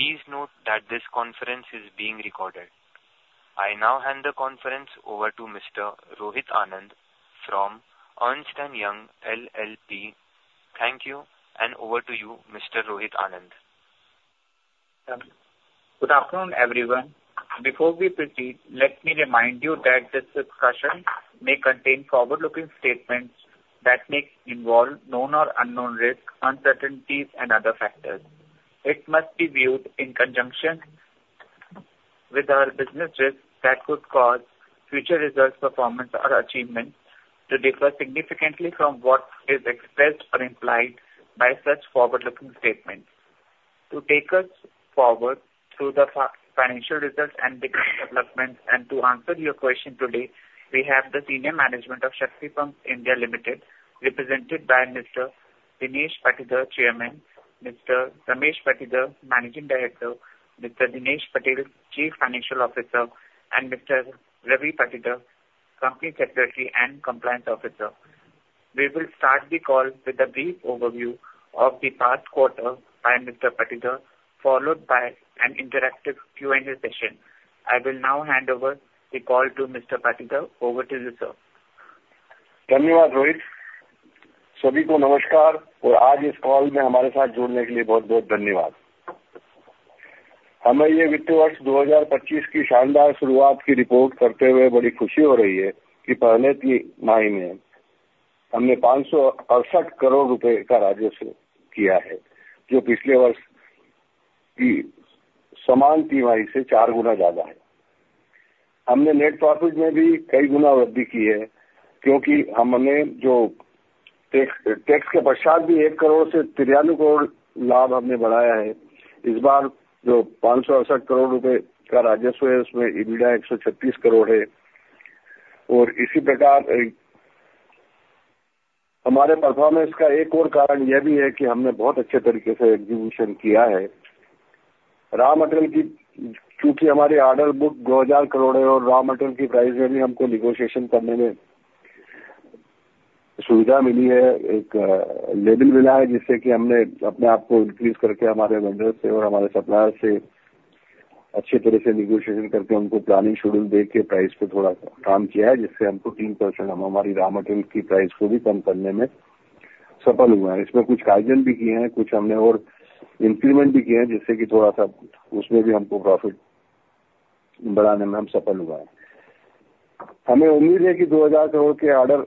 Please note that this conference is being recorded. I now hand the conference over to Mr. Rohit Anand from Ernst and Young, LLP. Thank you, and over to you, Mr. Rohit Anand. Good afternoon, everyone. Before we proceed, let me remind you that this discussion may contain forward-looking statements that may involve known or unknown risks, uncertainties and other factors. It must be viewed in conjunction with our business risks that could cause future results, performance or achievements to differ significantly from what is expressed or implied by such forward-looking statements. To take us forward through the financial results and business developments, and to answer your questions today, we have the senior management of Shakti Pumps India Limited, represented by Mr. Dinesh Patidar, Chairman, Mr. Ramesh Patidar, Managing Director, Mr. Dinesh Patel, Chief Financial Officer, and Mr. Ravi Patidar, Company Secretary and Compliance Officer. We will start the call with a brief overview of the past quarter by Mr. Patidar, followed by an interactive Q&A session. I will now hand over the call to Mr. Patidar. Over to you, sir. Thank you, Rohit. सभी को नमस्कार, और आज इस call में हमारे साथ जुड़ने के लिए बहुत-बहुत धन्यवाद। हमें यह वित्त वर्ष 2025 की शानदार शुरुआत की रिपोर्ट करते हुए बड़ी खुशी हो रही है कि पहले ही महीने हमने ₹568 करोड़ का राजस्व किया है, जो पिछले वर्ष की समान तिमाही से चार गुना ज्यादा है। हमने नेट प्रॉफिट में भी कई गुना वृद्धि की है, क्योंकि हमने जो टैक्स के पश्चात भी ₹1 करोड़ से ₹93 करोड़ लाभ हमने बढ़ाया है। इस बार जो ₹568 करोड़ का राजस्व है, उसमें EBITDA ₹136 करोड़ है। इसी प्रकार, हमारे परफॉर्मेंस का एक और कारण यह भी है कि हमने बहुत अच्छे तरीके से एक्जीक्यूशन किया है। रॉ मैटेरियल की, क्योंकि हमारी ऑर्डर बुक ₹2,000 करोड़ है और रॉ मैटेरियल की प्राइस में भी हमको नेगोशिएशन करने में सुविधा मिली है, एक लेवल मिला है, जिससे कि हमने अपने आप को इंक्रीज करके हमारे वेंडर्स से और हमारे सप्लायर से अच्छी तरह से नेगोशिएशन करके उनको प्लानिंग शेड्यूल देकर प्राइस को थोड़ा कम किया है, जिससे हमको 3% हम हमारी रॉ मैटेरियल की प्राइस को भी कम करने में सफल हुए हैं। इसमें कुछ अडजस्ट भी किए हैं, कुछ हमने और इंप्लीमेंट भी किए हैं, जिससे कि थोड़ा सा उसमें भी हमको प्रॉफिट बढ़ाने में हम सफल हुए हैं। हमें उम्मीद है कि ₹2,000 करोड़ के ऑर्डर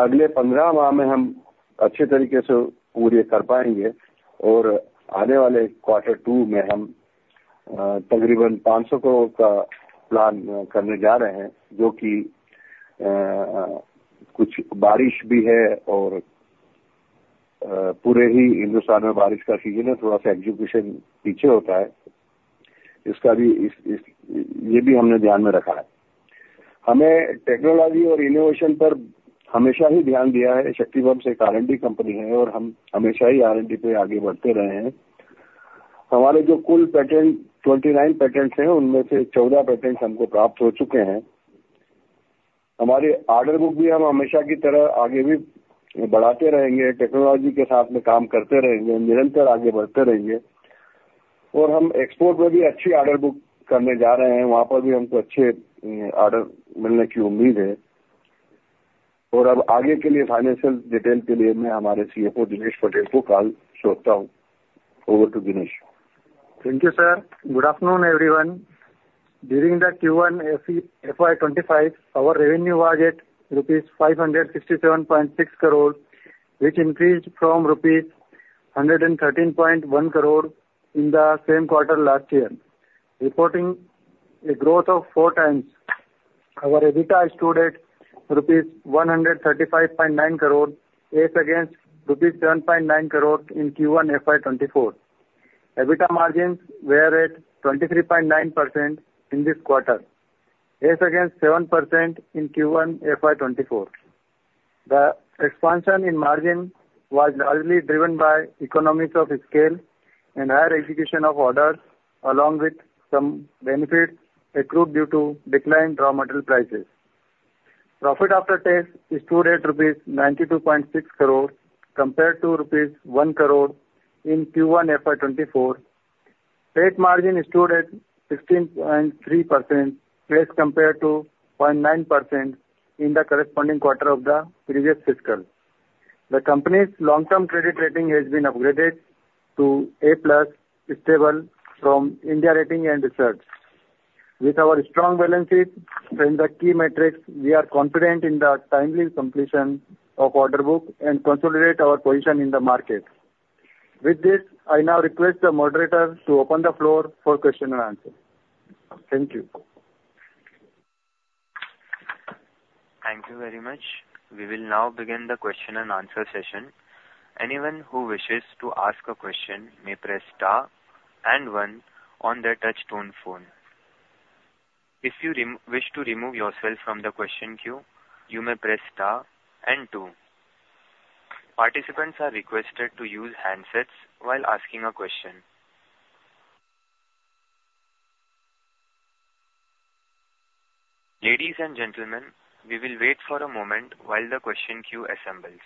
अगले 15 माह में हम अच्छे तरीके से पूरे कर पाएंगे और आने वाले क्वार्टर 2 में हम तकरीबन ₹500 करोड़ का प्लान करने जा रहे हैं, जो कि कुछ बारिश भी है और पूरे ही हिंदुस्तान में बारिश का सीजन है, थोड़ा सा एक्जीक्यूशन पीछे होता है। इसका भी, ये भी हमने ध्यान में रखा है। हमने टेक्नोलॉजी और इनोवेशन पर हमेशा ही ध्यान दिया है। शक्ति पंप्स एक R&D कंपनी है और हम हमेशा ही R&D पे आगे बढ़ते रहे हैं। हमारे जो कुल पेटेंट, 29 पेटेंट हैं, उनमें से 14 पेटेंट हमको प्राप्त हो चुके हैं। हमारी ऑर्डर बुक भी हम हमेशा की तरह आगे भी बढ़ाते रहेंगे। टेक्नोलॉजी के साथ में काम करते रहेंगे, निरंतर आगे बढ़ते रहेंगे और हम एक्सपोर्ट पर भी अच्छी ऑर्डर बुक करने जा रहे हैं। वहां पर भी हमको अच्छे ऑर्डर मिलने की उम्मीद है। अब आगे के लिए फाइनेंशियल डिटेल के लिए मैं हमारे CFO दिनेश पटेल को कॉल छोड़ता हूं। Over to Dinesh. Thank you, sir. Good afternoon, everyone. During the Q1 FY25, our revenue was at ₹567.6 crore, which increased from ₹113.1 crore in the same quarter last year, reporting a growth of four times. Our EBITDA stood at ₹135.9 crore, as against ₹7.9 crore in Q1 FY24. EBITDA margins were at 23.9% in this quarter, as against 7% in Q1 FY24. The expansion in margin was largely driven by economies of scale and higher execution of orders, along with some benefits accrued due to decline raw material prices. Profit after tax stood at ₹92.6 crore, compared to ₹1 crore in Q1 FY24. PAT margin stood at 16.3%, PAT compared to 0.9% in the corresponding quarter of the previous fiscal. The company's long-term credit rating has been upgraded to A+ Stable from India Rating and Research. With our strong balances and the key metrics, we are confident in the timely completion of order book and consolidate our position in the market. With this, I now request the moderator to open the floor for question and answer. Thank you. Thank you very much. We will now begin the question and answer session. Anyone who wishes to ask a question may press star and one on their touchtone phone. If you wish to remove yourself from the question queue, you may press star and two. Participants are requested to use handsets while asking a question. Ladies and gentleman, we will wait for a moment while the question queue assembles.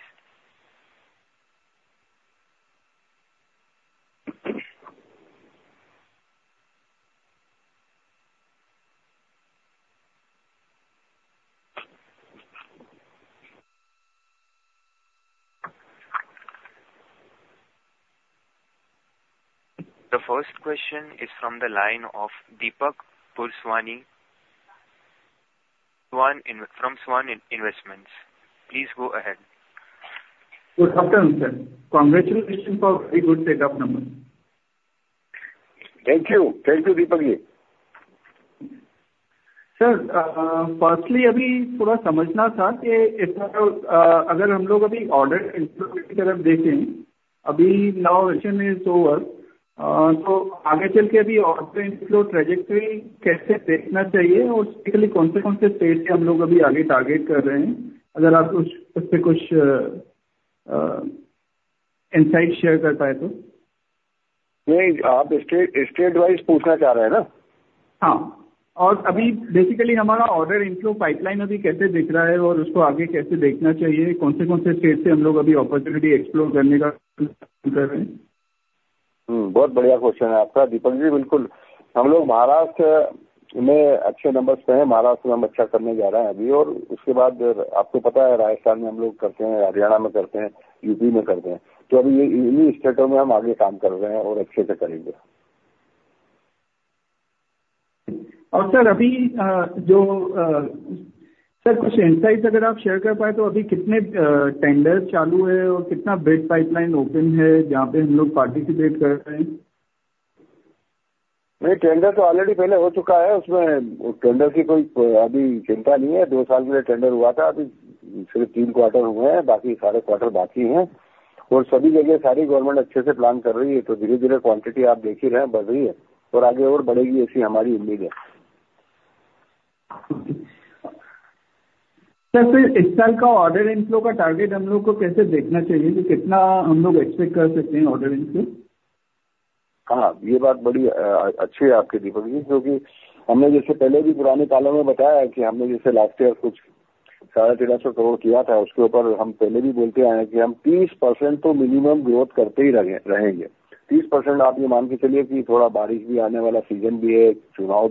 The first question is from the line of Deepak Purswani from Svan Investment. Please go ahead. Good afternoon sir. Congratulations for very good setup number. Thank you, thank you Deepak ji. Sir, firstly अभी थोड़ा समझना था कि इतना, अगर हम लोग अभी order अगर देखें, अभी election is over, तो आगे चलकर भी order flow trajectory कैसे देखना चाहिए और उसके लिए कौन से कौन से state से हम लोग अभी आगे target कर रहे हैं। अगर आप कुछ उससे कुछ insight share कर पाए तो। नहीं, आप स्टेट, स्टेट वाइज पूछना चाह रहे हैं ना? हां और अभी बेसिकली हमारा ऑर्डर इनफ्लो पाइपलाइन में अभी कैसे दिख रहा है और उसको आगे कैसे देखना चाहिए? कौन से कौन से स्टेट से हम लोग अभी अपॉर्चुनिटी एक्सप्लोर करने का कर रहे हैं। बहुत बढ़िया क्वेश्चन है आपका दीपक जी, बिल्कुल। हम लोग महाराष्ट्र में अच्छे नंबर्स हैं। महाराष्ट्र में हम अच्छा करने जा रहे हैं अभी और उसके बाद आपको पता है राजस्थान में हम लोग करते हैं, हरियाणा में करते हैं, यूपी में करते हैं। तो अभी यही स्टेटों में हम आगे काम कर रहे हैं और अच्छे से करेंगे। और सर, अभी जो सर कुछ insight अगर आप share कर पाए तो अभी कितने tender चालू है और कितना big pipeline open है, जहां पर हम लोग participate कर रहे हैं। नहीं, टेंडर तो already पहले हो चुका है। उसमें टेंडर की कोई अभी चिंता नहीं है। दो साल पहले टेंडर हुआ था। अभी सिर्फ तीन quarter हुए हैं, बाकी सारे quarter बाकी हैं और सभी जगह सारी government अच्छे से plan कर रही है। तो धीरे धीरे quantity आप देख ही रहे हैं, बढ़ रही है और आगे और बढ़ेगी, ऐसी हमारी believe है। सर, फिर इस साल का ऑर्डर इनफ्लो का टारगेट हम लोगों को कैसे देखना चाहिए कि कितना हम लोग एक्सपेक्ट कर सकते हैं ऑर्डर इनफ्लो? हां, यह बात बड़ी अच्छी है आपकी दीपक जी, क्योंकि हमने जैसे पहले भी पुराने सालों में बताया है कि हमने जैसे लास्ट ईयर कुछ ₹1,350 करोड़ किया था, उसके ऊपर हम पहले भी बोलते आए हैं कि हम 30% तो मिनिमम ग्रोथ करते ही रहे रहेंगे। 30% आप ये मान के चलिए कि थोड़ा बारिश भी आने वाला सीजन भी है। चुनाव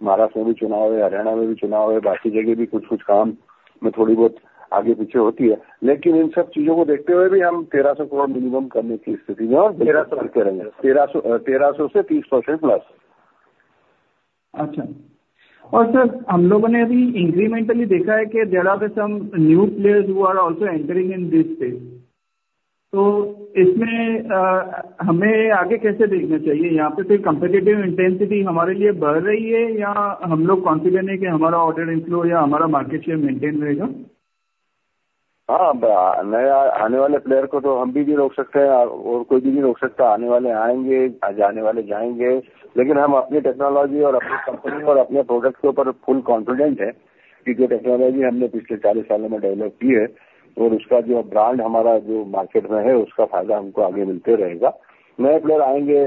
भी हैं। महाराष्ट्र में भी चुनाव है, हरियाणा में भी चुनाव है। बाकी जगह भी कुछ कुछ काम में थोड़ी बहुत आगे पीछे होती है। लेकिन इन सब चीजों को देखते हुए भी हम ₹1,300 करोड़ मिनिमम करने की स्थिति में ₹1,300, ₹1,300 से 30% प्लस। अच्छा और सर हम लोगों ने अभी incrementally देखा है कि there are some new players who are also entering in this space. तो इसमें हमें आगे कैसे देखना चाहिए? यहां पर कोई competitive intensity हमारे लिए बढ़ रही है या हम लोग confident हैं कि हमारा order inflow या हमारा market share maintain रहेगा। हां, नए आने वाले प्लेयर को तो हम भी नहीं रोक सकते और कोई भी नहीं रोक सकता। आने वाले आएंगे, जाने वाले जाएंगे, लेकिन हम अपनी टेक्नोलॉजी और अपनी कंपनी और अपने प्रोडक्ट के ऊपर फुल कॉन्फिडेंट हैं कि जो टेक्नोलॉजी हमने पिछले चालीस सालों में डेवलप की है और उसका जो ब्रांड हमारा जो मार्केट में है, उसका फायदा हमको आगे मिलते रहेगा। नए प्लेयर आएंगे,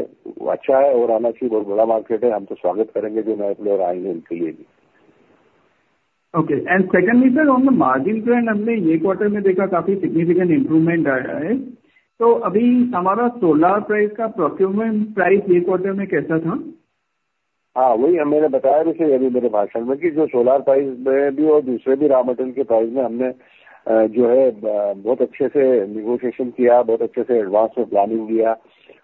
अच्छा है और एनएफसी बहुत बड़ा मार्केट है। हम तो स्वागत करेंगे, जो नए प्लेयर आएंगे उनके लिए भी। Okay and secondly sir, on the margin हमने ये क्वार्टर में देखा, काफी सिग्निफिकेंट इंप्रूवमेंट आया है। तो अभी हमारा सोलर प्राइस का प्रोक्योरमेंट प्राइस ये क्वार्टर में कैसा था? हां, वही मैंने बताया ना, अभी मेरे बात में कि जो सोलर प्राइस में भी और दूसरे भी रॉ मटेरियल के प्राइस में हमने बहुत अच्छे से नेगोशिएशन किया, बहुत अच्छे से एडवांस और प्लानिंग किया।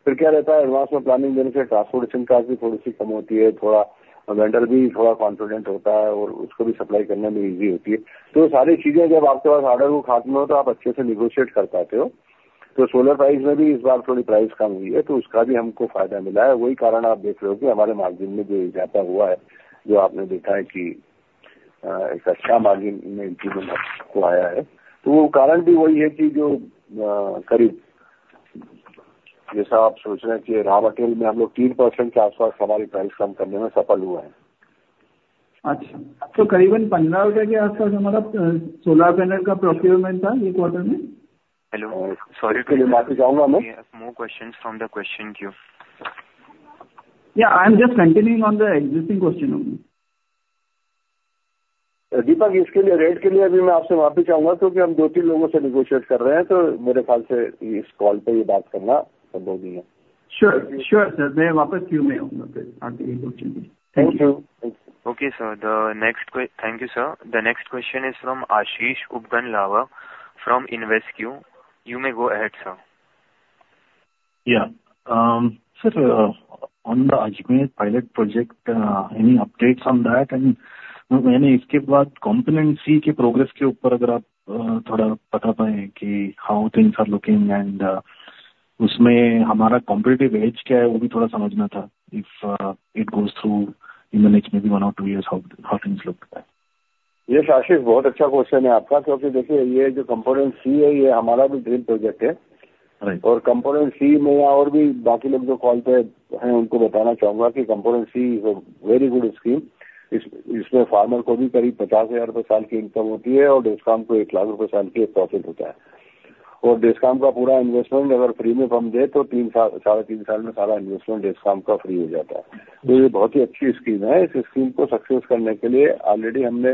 फिर क्या रहता है एडवांस में प्लानिंग देने से ट्रांसपोर्टेशन कॉस्ट भी थोड़ी सी कम होती है, थोड़ा वेंडर भी थोड़ा कॉन्फिडेंट होता है और उसको भी सप्लाई करने में इजी होती है। तो ये सारी चीजें जब आपके पास ऑर्डर वो खत्म हो, तो आप अच्छे से नेगोशिएट कर पाते हो। तो सोलर प्राइस में भी इस बार थोड़ी प्राइस कम हुई है तो उसका भी हमको फायदा मिला है। वही कारण आप देख रहे होंगे। हमारे मार्जिन में जो इजाफा हुआ है, जो आपने देखा है कि एक अच्छा मार्जिन हमें इसमें आया है, तो वो कारण भी वही है कि जो करीब जैसा आप सोच रहे हैं कि रॉ मटेरियल में हम लोग 3% के आसपास हमारी प्राइस कम करने में सफल हुए हैं। अच्छा तो करीबन 15 के आसपास हमारा solar panel का procurement था, ये quarter में। Hello! Sorry, मैं चाहूंगा more question from the question queue. Yeah, I am just continuing on the existing question only. दीपक, इसके लिए रेट के लिए अभी मैं आपसे वापस बात करना चाहूंगा, क्योंकि हम दो तीन लोगों से नेगोशिएट कर रहे हैं तो मेरे ख्याल से इस कॉल पर ये बात करना संभव नहीं है। शर, शर सर, मैं वापस क्यू में आऊंगा। Thank you. Okay sir, the next thank you sir. The next question is from Aashish Upganlawar from InvesQ. You may go ahead sir. Yeah uh, sir on the pilot project, any updates on that and मैंने इसके बाद component C के progress के ऊपर अगर आप थोड़ा बता पाएं कि how things are looking and उसमें हमारा कंपेटिटिव एज क्या है, वो भी थोड़ा समझना था। If it goes through in the next one और two years, how things look like. ये आशीष बहुत अच्छा क्वेश्चन है आपका, क्योंकि देखिए ये जो कंपोनेंट सी है, ये हमारा भी ड्रीम प्रोजेक्ट है और कंपोनेंट सी में और भी बाकी लोग जो कॉल पर हैं, उनको बताना चाहूंगा कि component C very good scheme. इसमें फार्मर को भी करीब ₹50,000 साल की इनकम होती है और डिस्कॉम को ₹1,00,000 साल के प्रॉफिट होता है। डिस्कॉम का पूरा इन्वेस्टमेंट अगर फ्री में पंप दें तो तीन साल साढ़े तीन साल में सारा इन्वेस्टमेंट डिस्कॉम का फ्री हो जाता है। यह बहुत ही अच्छी स्कीम है। इस स्कीम को सक्सेस करने के लिए ऑलरेडी हमने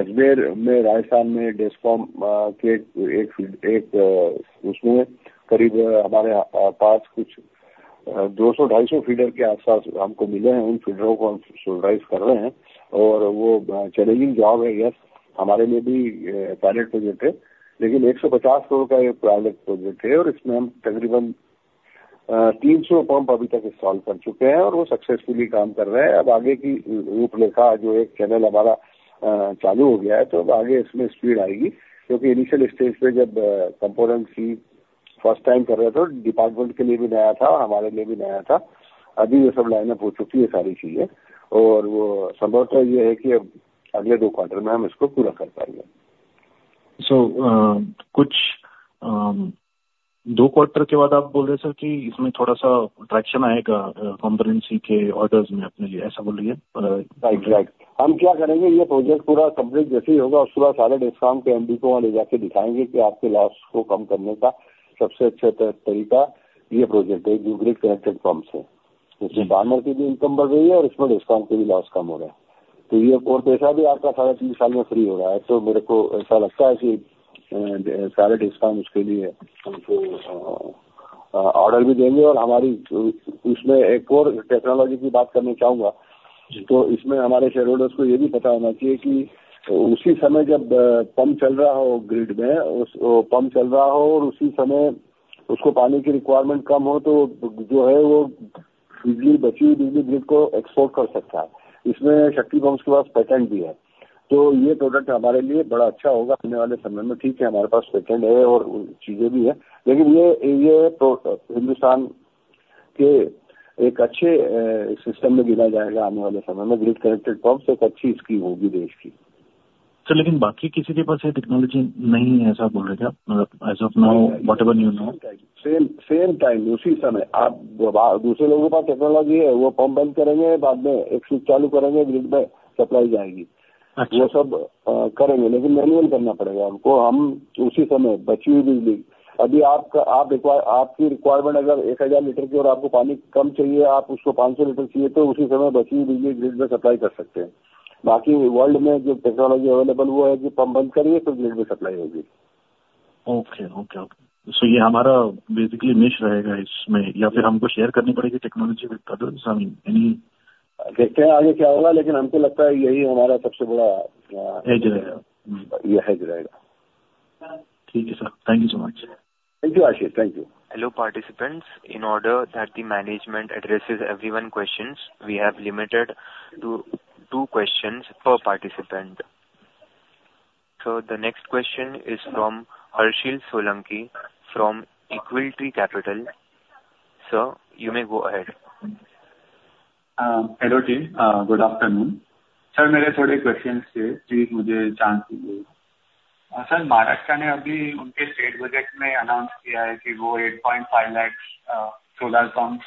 अजमेर में राजस्थान में डिस्कॉम के उसमें करीब हमारे पास कुछ ₹200-250 फीडर के आसपास हमको मिले हैं। उन फीडरों को हम राइज कर रहे हैं और वह चैलेंजिंग जॉब है। हमारे लिए भी पायलट प्रोजेक्ट है, लेकिन ₹150 करोड़ का यह पायलट प्रोजेक्ट है और इसमें हम तकरीबन 300 पंप अभी तक इंस्टॉल कर चुके हैं और वह सक्सेसफुली काम कर रहे हैं। अब आगे की रूपरेखा जो एक चैनल हमारा चालू हो गया है तो अब आगे इसमें स्पीड आएगी, क्योंकि इनिशियल स्टेज पर जब कंपोनेंट की फर्स्ट टाइम कर रहे थे, डिपार्टमेंट के लिए भी नया था, हमारे लिए भी नया था। अभी यह सब लाइनअप हो चुकी है सारी चीजें और संभावना यह है कि अगले दो क्वार्टर में हम इसको पूरा कर पाएंगे। तो कुछ दो क्वार्टर के बाद आप बोल रहे हैं कि इसमें थोड़ा सा ट्रैक्शन आएगा। कंपोनेंट के ऑर्डर्स में आप ऐसा बोल रही हैं। राइट! हम क्या करेंगे? यह प्रोजेक्ट पूरा कंप्लीट जैसे ही होगा, पूरा सारा डिस्कॉम के MD को ले जाकर दिखाएंगे कि आपके लॉस को कम करने का सबसे अच्छा तरीका यह प्रोजेक्ट है। ग्रिड कनेक्ट फार्म से किसान की भी इनकम बढ़ गई है और इसमें डिस्कॉम भी, लॉस कम हो रहा है तो यह पैसा भी आपका साढ़े तीन साल में फ्री हो रहा है। तो मेरे को ऐसा लगता है कि सारे डिस्कॉम इसके लिए हमको ऑर्डर भी देंगे और हमारी उसमें एक और टेक्नोलॉजी की बात करना चाहूंगा तो इसमें हमारे शेयरहोल्डर को यह भी पता होना चाहिए कि उसी समय जब पंप चल रहा हो, ग्रिड में पंप चल रहा हो और उसी समय उसको पानी की रिक्वायरमेंट कम हो तो जो है वह बची हुई बिजली को एक्सपोर्ट कर सकता है। इसमें शक्ति पंप्स के पास पेटेंट भी है तो यह प्रोडक्ट हमारे लिए बड़ा अच्छा होगा आने वाले समय में। ठीक है, हमारे पास पेटेंट है और चीजें भी है, लेकिन यह हिंदुस्तान के एक अच्छे सिस्टम में गिना जाएगा। आने वाले समय में ग्रिड कनेक्ट पंप्स एक अच्छी स्कीम होगी देश की। सर, लेकिन बाकी किसी के पास यह टेक्नोलॉजी नहीं है। ऐसा बोल रहे हैं क्या? As of now whatever you know. Same time, उसी समय आप दूसरे लोगों के पास टेक्नोलॉजी है। वह पंप बंद करेंगे, बाद में एक स्विच चालू करेंगे, ग्रिड में सप्लाई जाएगी। यह सब करेंगे लेकिन मैनुअल करना पड़ेगा हमको। उसी समय बची हुई बिजली, अभी आपका आप आपकी रिक्वायरमेंट अगर एक हज़ार लीटर की और आपको पानी कम चाहिए, आप उसको पाँच सौ लीटर चाहिए तो उसी समय बची हुई बिजली ग्रिड में सप्लाई कर सकते हैं। बाकी वर्ल्ड में जो टेक्नोलॉजी अवेलेबल है, वह है कि पंप बंद करिए तो ग्रिड में सप्लाई होगी। ओके, ओके, ओके तो यह हमारा बेसिकली मिस रहेगा इसमें या फिर हमको शेयर करनी पड़ेगी टेक्नोलॉजी। आगे क्या होगा, लेकिन हमको लगता है यही हमारा सबसे बड़ा यह रहेगा। ठीक है sir, thank you so much! Thank you. Thank you. Hello participants, in order that the management address everyone question we have limited to two question per participant. So the next question is from Harshil Solanki from Equitree Capital. So you may go ahead. Hello, good afternoon sir. मेरे थोड़े question थे, please मुझे chance दीजिए। Sir, Maharashtra ने अभी उनके state budget में announce किया है कि वह 8.5 लाख सोलर पंप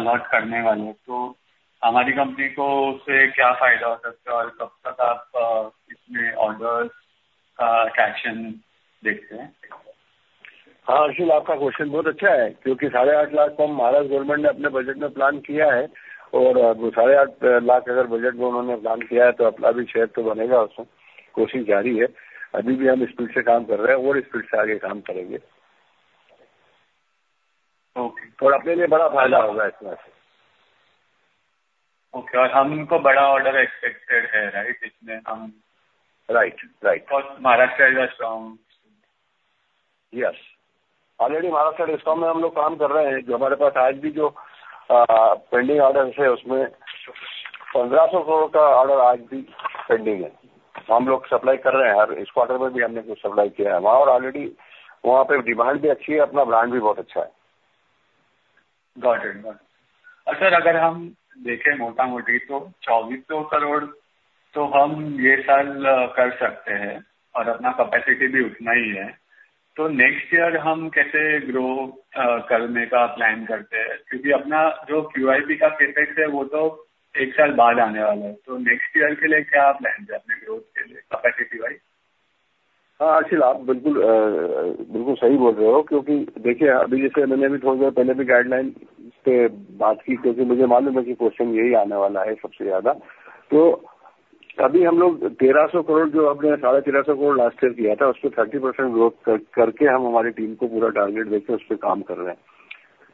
अलॉट करने वाले हैं तो हमारी कंपनी को उससे क्या फायदा हो सकता है और कब तक आप इसमें ऑर्डर्स का कैशन देखते हैं? हां, आपका क्वेश्चन बहुत अच्छा है, क्योंकि साढ़े आठ लाख पंप महाराष्ट्र गवर्नमेंट ने अपने बजट में प्लान किया है और साढ़े आठ लाख अगर बजट में उन्होंने प्लान किया है तो अपना भी शेयर तो बनेगा और कोशिश जारी है। अभी भी हम इस स्पीड से काम कर रहे हैं और स्पीड से आगे काम करेंगे। अपने लिए बड़ा फायदा होगा इसमें से। ओके और हमको बड़ा ऑर्डर एक्सपेक्टेड है, राइट इसमें हम। Right right. Maharashtra. Yes, already Maharashtra discount में हम लोग काम कर रहे हैं, जो हमारे पास आज भी जो पेंडिंग ऑर्डर्स है, उसमें ₹1,500 करोड़ का ऑर्डर आज भी पेंडिंग है। हम लोग सप्लाई कर रहे हैं। हर क्वार्टर में भी हमने कुछ सप्लाई किया है और ऑलरेडी वहां पर डिमांड भी अच्छी है। अपना ब्रांड भी बहुत अच्छा है। गॉट इट और सर, अगर हम देखें मोटा मोटी तो ₹2,400 करोड़ तो हम यह साल कर सकते हैं और अपना कैपेसिटी भी उतना ही है तो नेक्स्ट ईयर हम कैसे ग्रो करने का प्लान करते हैं। क्योंकि अपना जो की YIP का इफेक्ट है, वह तो एक साल बाद आने वाला है तो नेक्स्ट ईयर के लिए क्या प्लान है अपने ग्रोथ के लिए कैपेसिटी वाइस। हां, आप बिल्कुल बिल्कुल सही बोल रहे हो, क्योंकि देखिए, अभी जैसे मैंने अभी थोड़े समय पहले भी गाइडलाइन पर बात की, क्योंकि मुझे मालूम है कि क्वेश्चन यही आने वाला है सबसे ज्यादा। तो अभी हम लोग ₹1,300 करोड़ जो हमने ₹1,350 करोड़ लास्ट ईयर किया था, उसमें 30% ग्रोथ करके हम हमारी टीम को पूरा टारगेट देकर उस पर काम कर रहे हैं।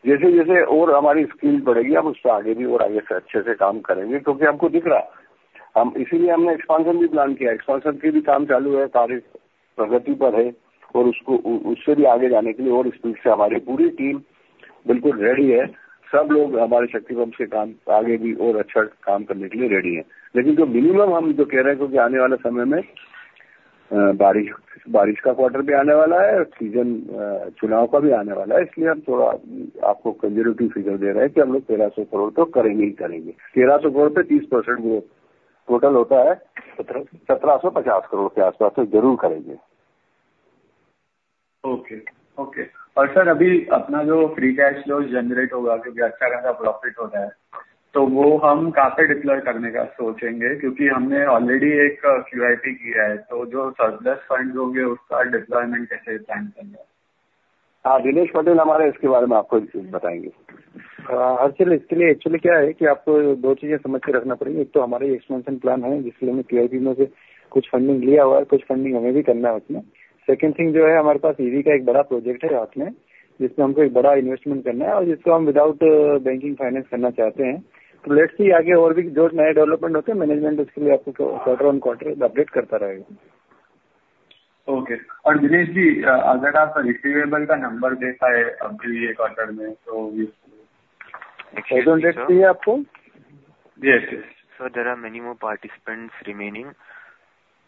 जैसे जैसे और हमारी स्पीड बढ़ेगी, हम उससे आगे भी और आगे से अच्छे से काम करेंगे, क्योंकि हमको दिख रहा है। हम इसीलिए हमने एक्सपेंशन भी प्लान किया है। एक्सपेंशन के भी काम चालू है। कार्य प्रगति पर है और उसको उससे भी आगे जाने के लिए और स्पीड से हमारी पूरी टीम बिल्कुल रेडी है। सब लोग हमारे शक्ति पंप से काम आगे भी और अच्छा काम करने के लिए रेडी हैं। लेकिन जो मिनिमम हम जो कह रहे हैं, क्योंकि आने वाले समय में बारिश बारिश का क्वार्टर भी आने वाला है और सीजन चुनाव का भी आने वाला है। इसलिए हम थोड़ा आपको कंजरवेटिव फिगर दे रहे हैं कि हम लोग ₹1,300 करोड़ तो करेंगे ही, करेंगे। ₹1,300 करोड़ से 30% ग्रोथ टोटल होता है। ₹1,750 करोड़ के आसपास तो जरूर करेंगे। ओके, ओके और सर, अभी अपना जो फ्री कैश जो जनरेट होगा, क्योंकि अच्छा खासा प्रॉफिट होता है। तो वो हम कहां पर deploy करने का सोचेंगे, क्योंकि हमने already एक QIP किया है तो जो surplus funds होंगे, उसका deployment कैसे plan करना है? हां, दिनेश पटेल हमारे इसके बारे में आपको बताएंगे। Actually इसके लिए क्या है कि आपको दो चीजें समझ के रखना पड़ेगी। एक तो हमारी expansion plan है, जिसमें हमने QIP में से कुछ funding लिया हुआ है, कुछ funding हमें भी करना है उसमें। Second thing जो है, हमारे पास EV का एक बड़ा project है हाथ में, जिसमें हमको एक बड़ा investment करना है और जिसको हम without banking finance करना चाहते हैं। तो let's see आगे और भी जो नए development होते हैं, management उसके लिए आपको quarter on quarter update करता रहेगा। ओके और दिनेश जी, अगर आपका रिसीवेबल का नंबर देता है, अब भी ये क्वार्टर में तो। आपको। Yes. Sir, many more participants remaining.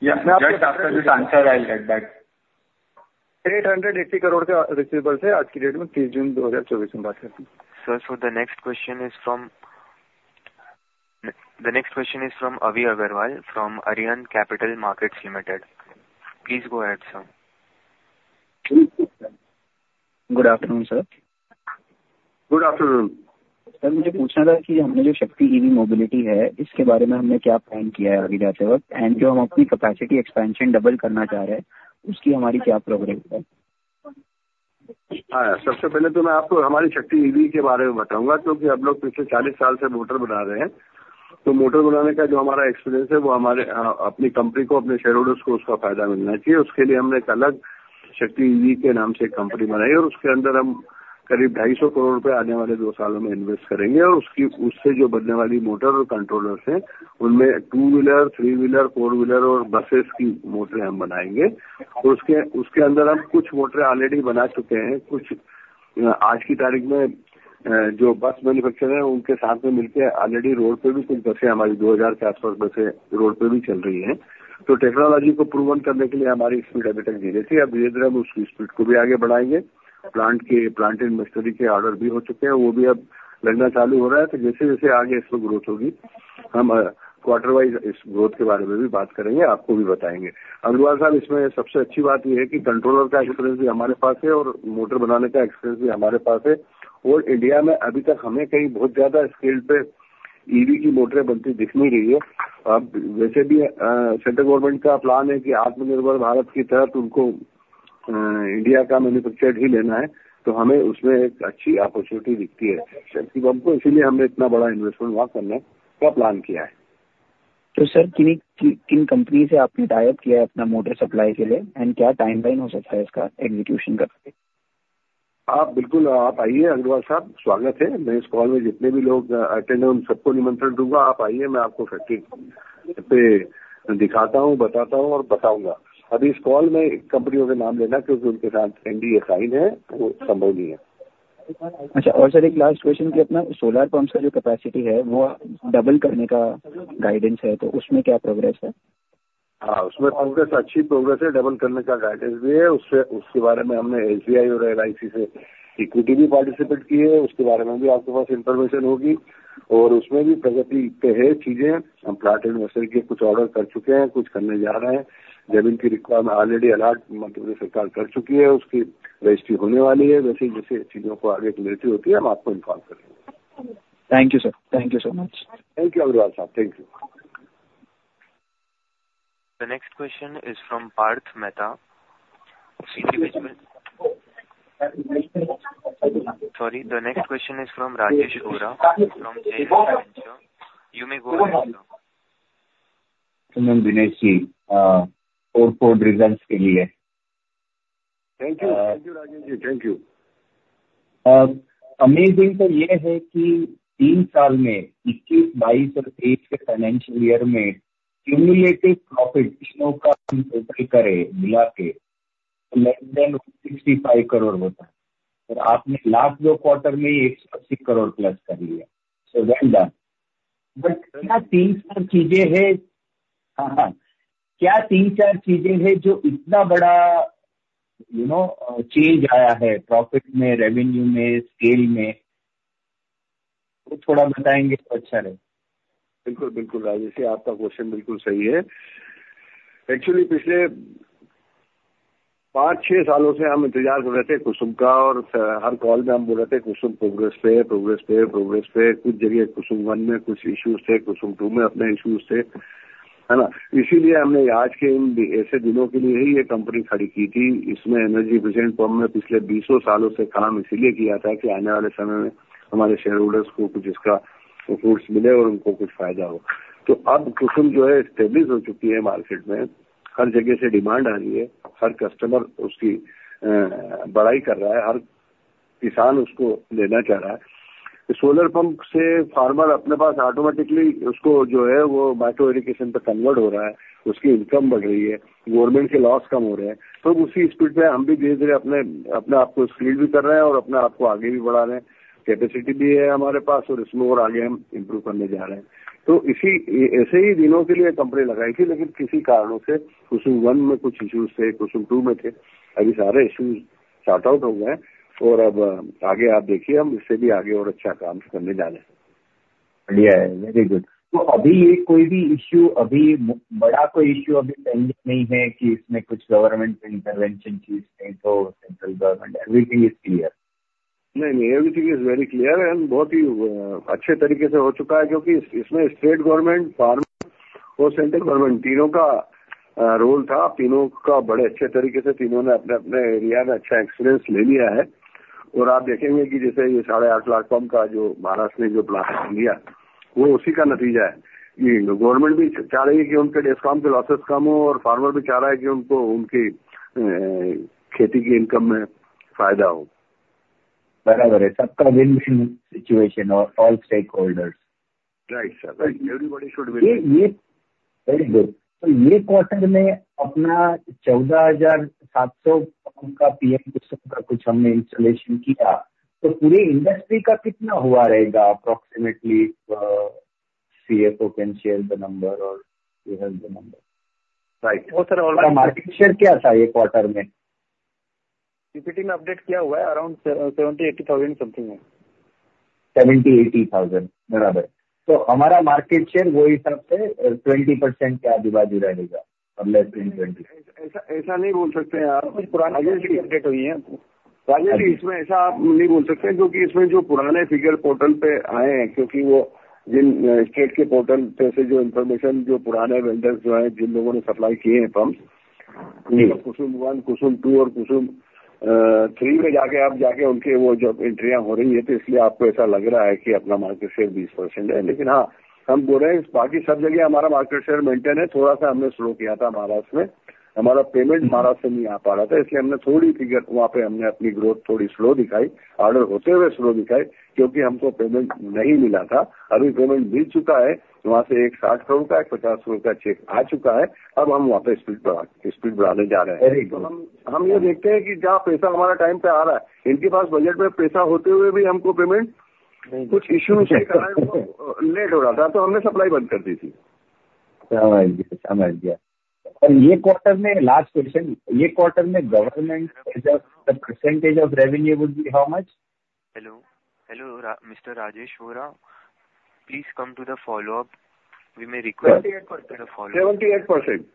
Answer, I will get back. ₹880 crore के रिसीवेबल हैं। आज की डेट में 3 जून 2024। Sir, so the next question is from, the next question is from Avi Agarwal from Arihant Capital Markets Limited. Please go ahead sir! Good afternoon sir. Good afternoon. Sir, मुझे पूछना था कि हमने जो शक्ति ईवी मोबिलिटी है, इसके बारे में हमने क्या प्लान किया है आगे जाते हुए और जो हम अपनी कैपेसिटी एक्सपेंशन डबल करना चाह रहे हैं, उसकी हमारी क्या प्रोग्रेस है? हां, सबसे पहले तो मैं आपको हमारी शक्ति ईवी के बारे में बताऊंगा, क्योंकि हम लोग पिछले चालीस साल से मोटर बना रहे हैं। तो मोटर बनाने का जो हमारा एक्सपीरियंस है, वह हमारे अपनी कंपनी को, अपने शेयरहोल्डर्स को उसका फायदा मिलना चाहिए। उसके लिए हमने एक अलग शक्ति ईवी के नाम से एक कंपनी बनाई है और उसके अंदर हम करीब ₹250 करोड़ आने वाले दो सालों में इन्वेस्ट करेंगे और उससे जो बनने वाली मोटर और कंट्रोलर्स हैं, उनमें two wheeler, three wheeler, four wheeler और बसेस की मोटर हम बनाएंगे और उसके अंदर हम कुछ मोटर ऑलरेडी बना चुके हैं। कुछ आज की तारीख में जो बस मैन्युफैक्चरर हैं, उनके साथ में मिलकर ऑलरेडी रोड पर भी कुछ बसें हमारी 2,400 बसें रोड पर भी चल रही हैं। तो टेक्नोलॉजी को प्रूवन करने के लिए हमारी स्पीड अभी तक रही है। अब धीरे धीरे हम उसकी स्पीड को भी आगे बढ़ाएंगे। प्लांट के प्लांट एंड मशीनरी के ऑर्डर भी हो चुके हैं, वो भी अब लगना चालू हो रहा है। तो जैसे जैसे आगे इसमें ग्रोथ होगी, हम क्वार्टर वाइज इस ग्रोथ के बारे में भी बात करेंगे, आपको भी बताएंगे। अग्रवाल साहब, इसमें सबसे अच्छी बात यह है कि कंट्रोलर का एक्सपीरियंस भी हमारे पास है और मोटर बनाने का एक्सपीरियंस भी हमारे पास है और इंडिया में अभी तक हमें कहीं बहुत ज्यादा स्केल पर ईवी की मोटरें बनती दिख नहीं रही है। अब वैसे भी सेंट्रल गवर्नमेंट का प्लान है कि आत्मनिर्भर भारत की तरफ उनको इंडिया का मैन्युफैक्चर ही लेना है तो हमें उसमें एक अच्छी अपॉर्चुनिटी दिखती है। इसीलिए हमने इतना बड़ा इन्वेस्टमेंट वहां करने का प्लान किया है। तो सर, किन किन कंपनियों से आपने tie-up किया है अपना मोटर सप्लाई के लिए और क्या timeline हो सकता है इसका execution करने का? आप बिल्कुल। आप आइए अग्रवाल साहब, स्वागत है। मैं इस कॉल में जितने भी लोग अटेंड हैं, उन सबको निमंत्रण दूंगा। आप आइए, मैं आपको फैक्ट्री पे दिखाता हूं, बताता हूं और बताऊंगा। अभी इस कॉल में कंपनियों के नाम लेना, क्योंकि उनके साथ NDA साइन है, तो संभव नहीं है। अच्छा और सर, एक लास्ट क्वेश्चन कि अपना सोलर पंप का जो कैपेसिटी है, वह डबल करने का गाइडेंस है तो उसमें क्या प्रोग्रेस है? हां, उसमें प्रोग्रेस अच्छी प्रोग्रेस है। डबल करने का गाइडेंस भी है। उससे उसके बारे में हमने SBI और LIC से इक्विटी भी पार्टिसिपेट की है। उसके बारे में भी आपके पास इंफॉर्मेशन होगी और उसमें भी प्रगति पर है। चीजें हम प्लांट और मशीनरी के कुछ ऑर्डर कर चुके हैं, कुछ करने जा रहे हैं, जिनकी रिक्वायरमेंट ऑलरेडी अलॉट सरकार कर चुकी है। उसकी रजिस्ट्री होने वाली है। जैसे जैसे चीजों को आगे प्रोग्रेस होती है, हम आपको इन्फॉर्म करेंगे। Thank you sir. Thank you so much. Thank you Aggarwal Sahab. Thank you. Next question is from Parth Mehta. Sorry, the next question is from Rajesh Gora from you may go. Dinesh ji, four quarter results के लिए। Thank you. Thank you. Amazing तो यह है कि तीन साल में इक्कीस, बाईस और तेइस के फाइनेंशियल ईयर में क्युमुलेटिव प्रॉफिट तीनों का हम टोटल करें, मिलाके लेस देन ₹65 करोड़ होता है और आपने लास्ट दो क्वार्टर में ही ₹180 करोड़ प्लस कर लिया। Well done! क्या तीन चार चीजें हैं जो इतना बड़ा चेंज आया है प्रॉफिट में, रेवेन्यू में, स्केल में? वो थोड़ा बताएंगे तो अच्छा रहे। बिल्कुल बिल्कुल, राजेश जी आपका क्वेश्चन बिल्कुल सही है। एक्चुअली पिछले पांच छह सालों से हम इंतजार कर रहे थे कुसुम का और हर कॉल में हम बोल रहे थे कुसुम प्रोग्रेस पे है, प्रोग्रेस पे है, प्रोग्रेस पे। कुछ जगह कुसुम वन में कुछ इश्यूज थे, कुसुम टू में अपने इश्यूज थे। है ना? इसीलिए हमने आज के ऐसे दिनों के लिए ही यह कंपनी खड़ी की थी। इसमें एनर्जी एफिशिएंट फॉर्म में पिछले बीस साल से काम इसीलिए किया था कि आने वाले समय में हमारे शेयरहोल्डर्स को कुछ इसका फायदा मिले और उनको कुछ फायदा हो। अब कुसुम जो है, स्टेबलाइज हो चुकी है। मार्केट में हर जगह से डिमांड आ रही है। हर कस्टमर उसकी बड़ाई कर रहा है, हर किसान उसको लेना चाह रहा है। सोलर पंप से फार्मर अपने पास ऑटोमेटिकली उसको जो है, वह माइग्रेशन पर कन्वर्ट हो रहा है। उसकी इनकम बढ़ रही है। गवर्नमेंट के लॉस कम हो रहे हैं। उसी स्पीड में हम भी धीरे धीरे अपने आप को स्पीड भी कर रहे हैं और अपने आप को आगे भी बढ़ा रहे हैं। कैपेसिटी भी है हमारे पास और इसमें और आगे हम इंप्रूव करने जा रहे हैं। इसी ऐसे ही दिनों के लिए कंपनी लगाई थी। लेकिन किसी कारणों से कुसुम वन में कुछ इश्यूज थे, कुसुम टू में थे। अभी सारे इश्यूज साल्ट आउट हो गए हैं और अब आगे आप देखिए, हम इससे भी आगे और अच्छा काम करने जा रहे हैं। Very good! तो अभी कोई भी issue अभी बड़ा कोई issue अभी pending नहीं है कि इसमें कुछ government intervention चीज है, तो central government everything is clear. नहीं नहीं, everything is very clear और बहुत ही अच्छे तरीके से हो चुका है, क्योंकि इसमें State Government, farmer और Central Government तीनों का role था। तीनों का बड़े अच्छे तरीके से तीनों ने अपने अपने area में अच्छा experience ले लिया है और आप देखेंगे कि जैसे ये ₹8.5 लाख pump का जो Maharashtra ने जो plan लिया, वो उसी का नतीजा है कि Government भी चाह रही है कि उनके DISCOM के losses कम हो और farmer भी चाह रहा है कि उनको उनकी खेती की income में फायदा हो। बराबर है, सबका विन-विन सिचुएशन और all stakeholders. Right, everybody should be. Very good. तो ये क्वार्टर में अपना ₹14,700 का पीएम कुसुमा कुछ हमने इंस्टॉलेशन किया तो पूरे इंडस्ट्री का कितना हुआ रहेगा? Approximately CFO can share the number और you have the number. Right. Market share क्या था एक क्वार्टर में? अपडेट किया हुआ है अराउंड ₹70,000 समथिंग है। 78,000 बराबर तो हमारा मार्केट शेयर वो हिसाब से 20% क्या above रहेगा और less in 20. ऐसा नहीं बोल सकते हैं। पुराने अपडेट हुई है। इसमें ऐसा आप नहीं बोल सकते हैं, क्योंकि इसमें जो पुराने फिगर पोर्टल पर आए हैं, क्योंकि वो जिन स्टेट के पोर्टल से जो इंफॉर्मेशन जो पुराने वेंडर्स जो हैं, जिन लोगों ने सप्लाई किए हैं, pump Kusum one, Kusum two और कुसुम थ्री में जाकर आप जाकर उनके वो जब एंट्री हो रही है तो इसलिए आपको ऐसा लग रहा है कि अपना मार्केट शेयर 20% है। लेकिन हां, हम बोल रहे हैं बाकी सब जगह हमारा मार्केट शेयर मेंटेन है। थोड़ा सा हमने स्लो किया था। महाराष्ट्र में हमारा पेमेंट महाराष्ट्र से नहीं आ पा रहा था, इसलिए हमने थोड़ी फिगर। वहां पर हमने अपनी ग्रोथ थोड़ी स्लो दिखाई, ऑर्डर होते हुए स्लो दिखाई, क्योंकि हमको पेमेंट नहीं मिला था। अभी पेमेंट मिल चुका है। वहां से एक ₹60,000 का ₹50,000 का चेक आ चुका है। अब हम वहां पर स्पीड स्पीड बढ़ाने जा रहे हैं। हम यह देखते हैं कि जहां पैसा हमारा टाइम पर आ रहा है, इनके पास बजट में पैसा होते हुए भी हमको पेमेंट कुछ इश्यू के कारण लेट हो रहा था तो हमने सप्लाई बंद कर दी थी। समझ गया, समझ गया और यह क्वार्टर में लास्ट क्वेश्चन, यह क्वार्टर में government as a percentage of revenue will be how much? Hello hello, mister Rajesh Vora, please come to the follow up. We may request follow. 73%।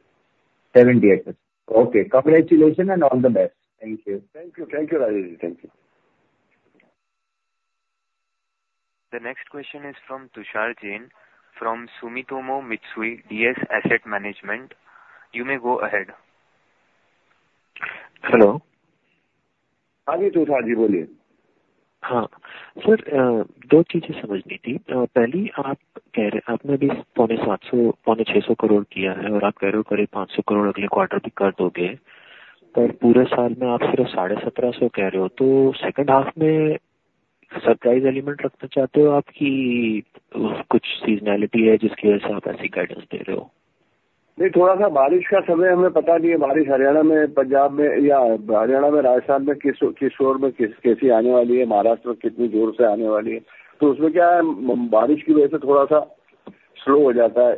73%, okay congratulation and all the best. Thank you. Thank you! Thank you, thank you. The next question is from Tushar Jain from Sumitomo Mitsui DS Asset Management. You may go ahead. Hello. हां जी तुषार जी बोलिए। हां sir, दो चीजें समझ नहीं थीं। पहली आप कह रहे हैं, आपने अभी ₹675 करोड़ किया है और आप कह रहे हो करीब ₹500 करोड़ अगले क्वार्टर भी कर दोगे, पर पूरे साल में आप सिर्फ ₹1,750 करोड़ कह रहे हो तो सेकंड हाफ में सरप्राइज एलिमेंट रखना चाहते हो। आपकी कुछ सीजनैलिटी है, जिसकी वजह से आप ऐसी गाइडेंस दे रहे हो। नहीं, थोड़ा सा बारिश का समय हमें पता नहीं है। बारिश हरियाणा में, पंजाब में या हरियाणा में, राजस्थान में किस किस जोर में कैसे आने वाली है, महाराष्ट्र में कितनी जोर से आने वाली है तो उसमें क्या है? बारिश की वजह से थोड़ा सा स्लो हो जाता है,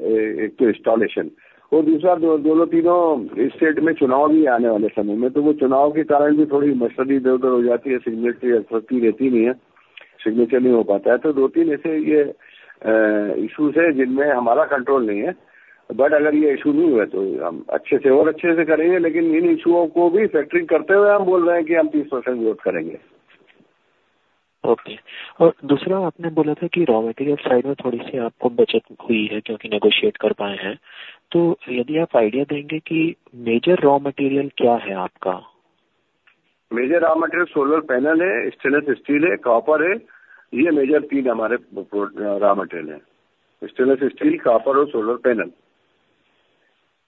इंस्टॉलेशन और दूसरा दो, दो या तीनों स्टेट में चुनाव भी आने वाले समय में तो वो चुनाव के कारण भी थोड़ी मशक्कत इधर उधर हो जाती है। सिग्नेचरी अथॉरिटी रहती नहीं है, सिग्नेचर नहीं हो पाता है तो दो तीन ऐसे इश्यूज हैं, जिनमें हमारा कंट्रोल नहीं है। लेकिन अगर यह इश्यू नहीं हुआ तो हम अच्छे से और अच्छे से करेंगे। लेकिन इन इश्यूओं को भी फैक्टरींग करते हुए हम बोल रहे हैं कि हम 30% ग्रोथ करेंगे। ओके और दूसरा आपने बोला था कि रॉ मटेरियल साइड में थोड़ी सी आपको बचत हुई है, क्योंकि नेगोशिएट कर पाए हैं तो यदि आप आइडिया देंगे कि मेजर रॉ मटेरियल क्या है आपका? Major raw material solar panel है, स्टेनलेस स्टील है, कॉपर है। यह मेजर तीन हमारे रॉ मटेरियल है। स्टेनलेस स्टील, कॉपर और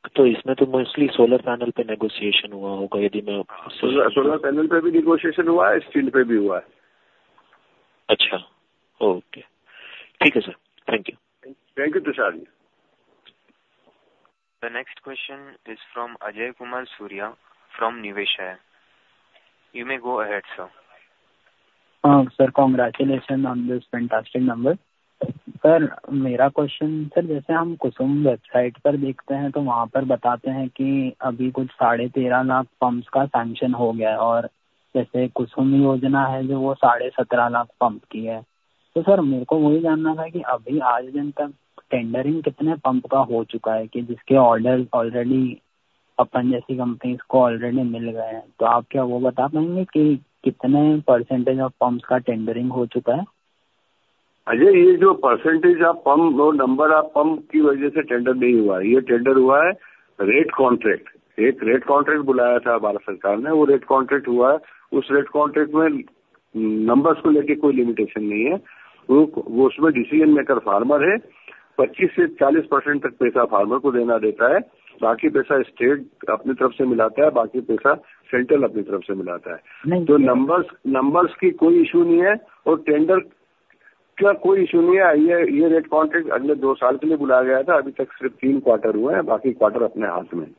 सोलर पैनल। तो इसमें तो मोस्टली सोलर पैनल पर नेगोशिएशन हुआ होगा, यदि मैं। सोलर पैनल पर भी नेगोशिएशन हुआ है, स्टील पर भी हुआ है। अच्छा ठीक है! ठीक है sir. Thank you. Thank you Tushar ji. The next question is from Ajay Kumar Surya from Nivesh. You may go ahead, sir. हां sir, congratulation on this fantastic number. Sir, मेरा question सर, जैसे हम KUSUM website पर देखते हैं तो वहां पर बताते हैं कि अभी कुछ साढ़े तेरह लाख pumps का sanction हो गया और जैसे KUSUM योजना है जो साढ़े सत्रह लाख pump की है। तो सर, मेरे को वही जानना था कि अभी आज तक tendering कितने pump का हो चुका है कि जिसके order already अपन जैसी company को already मिल गए हैं तो आप क्या वो बता पाएंगे कि कितने percentage of pumps का tendering हो चुका है? अजय, ये जो percentage आप pump number, आप pump की वजह से tender नहीं हुआ है। यह tender हुआ है। Rate contract, rate contract बुलाया था भारत सरकार ने। वो rate contract हुआ है। उस rate contract में numbers को लेकर कोई limitation नहीं है। वो उसमें decision maker farmer है। 25% से 40% तक पैसा farmer को देना रहता है। बाकी पैसा state अपनी तरफ से मिलाता है। बाकी पैसा central अपनी तरफ से मिलाता है। तो numbers, numbers की कोई issue नहीं है और tender का कोई issue नहीं है। यह rate contract अगले दो साल के लिए बुलाया गया था। अभी तक सिर्फ तीन quarter हुए हैं, बाकी quarter अपने हाथ में है।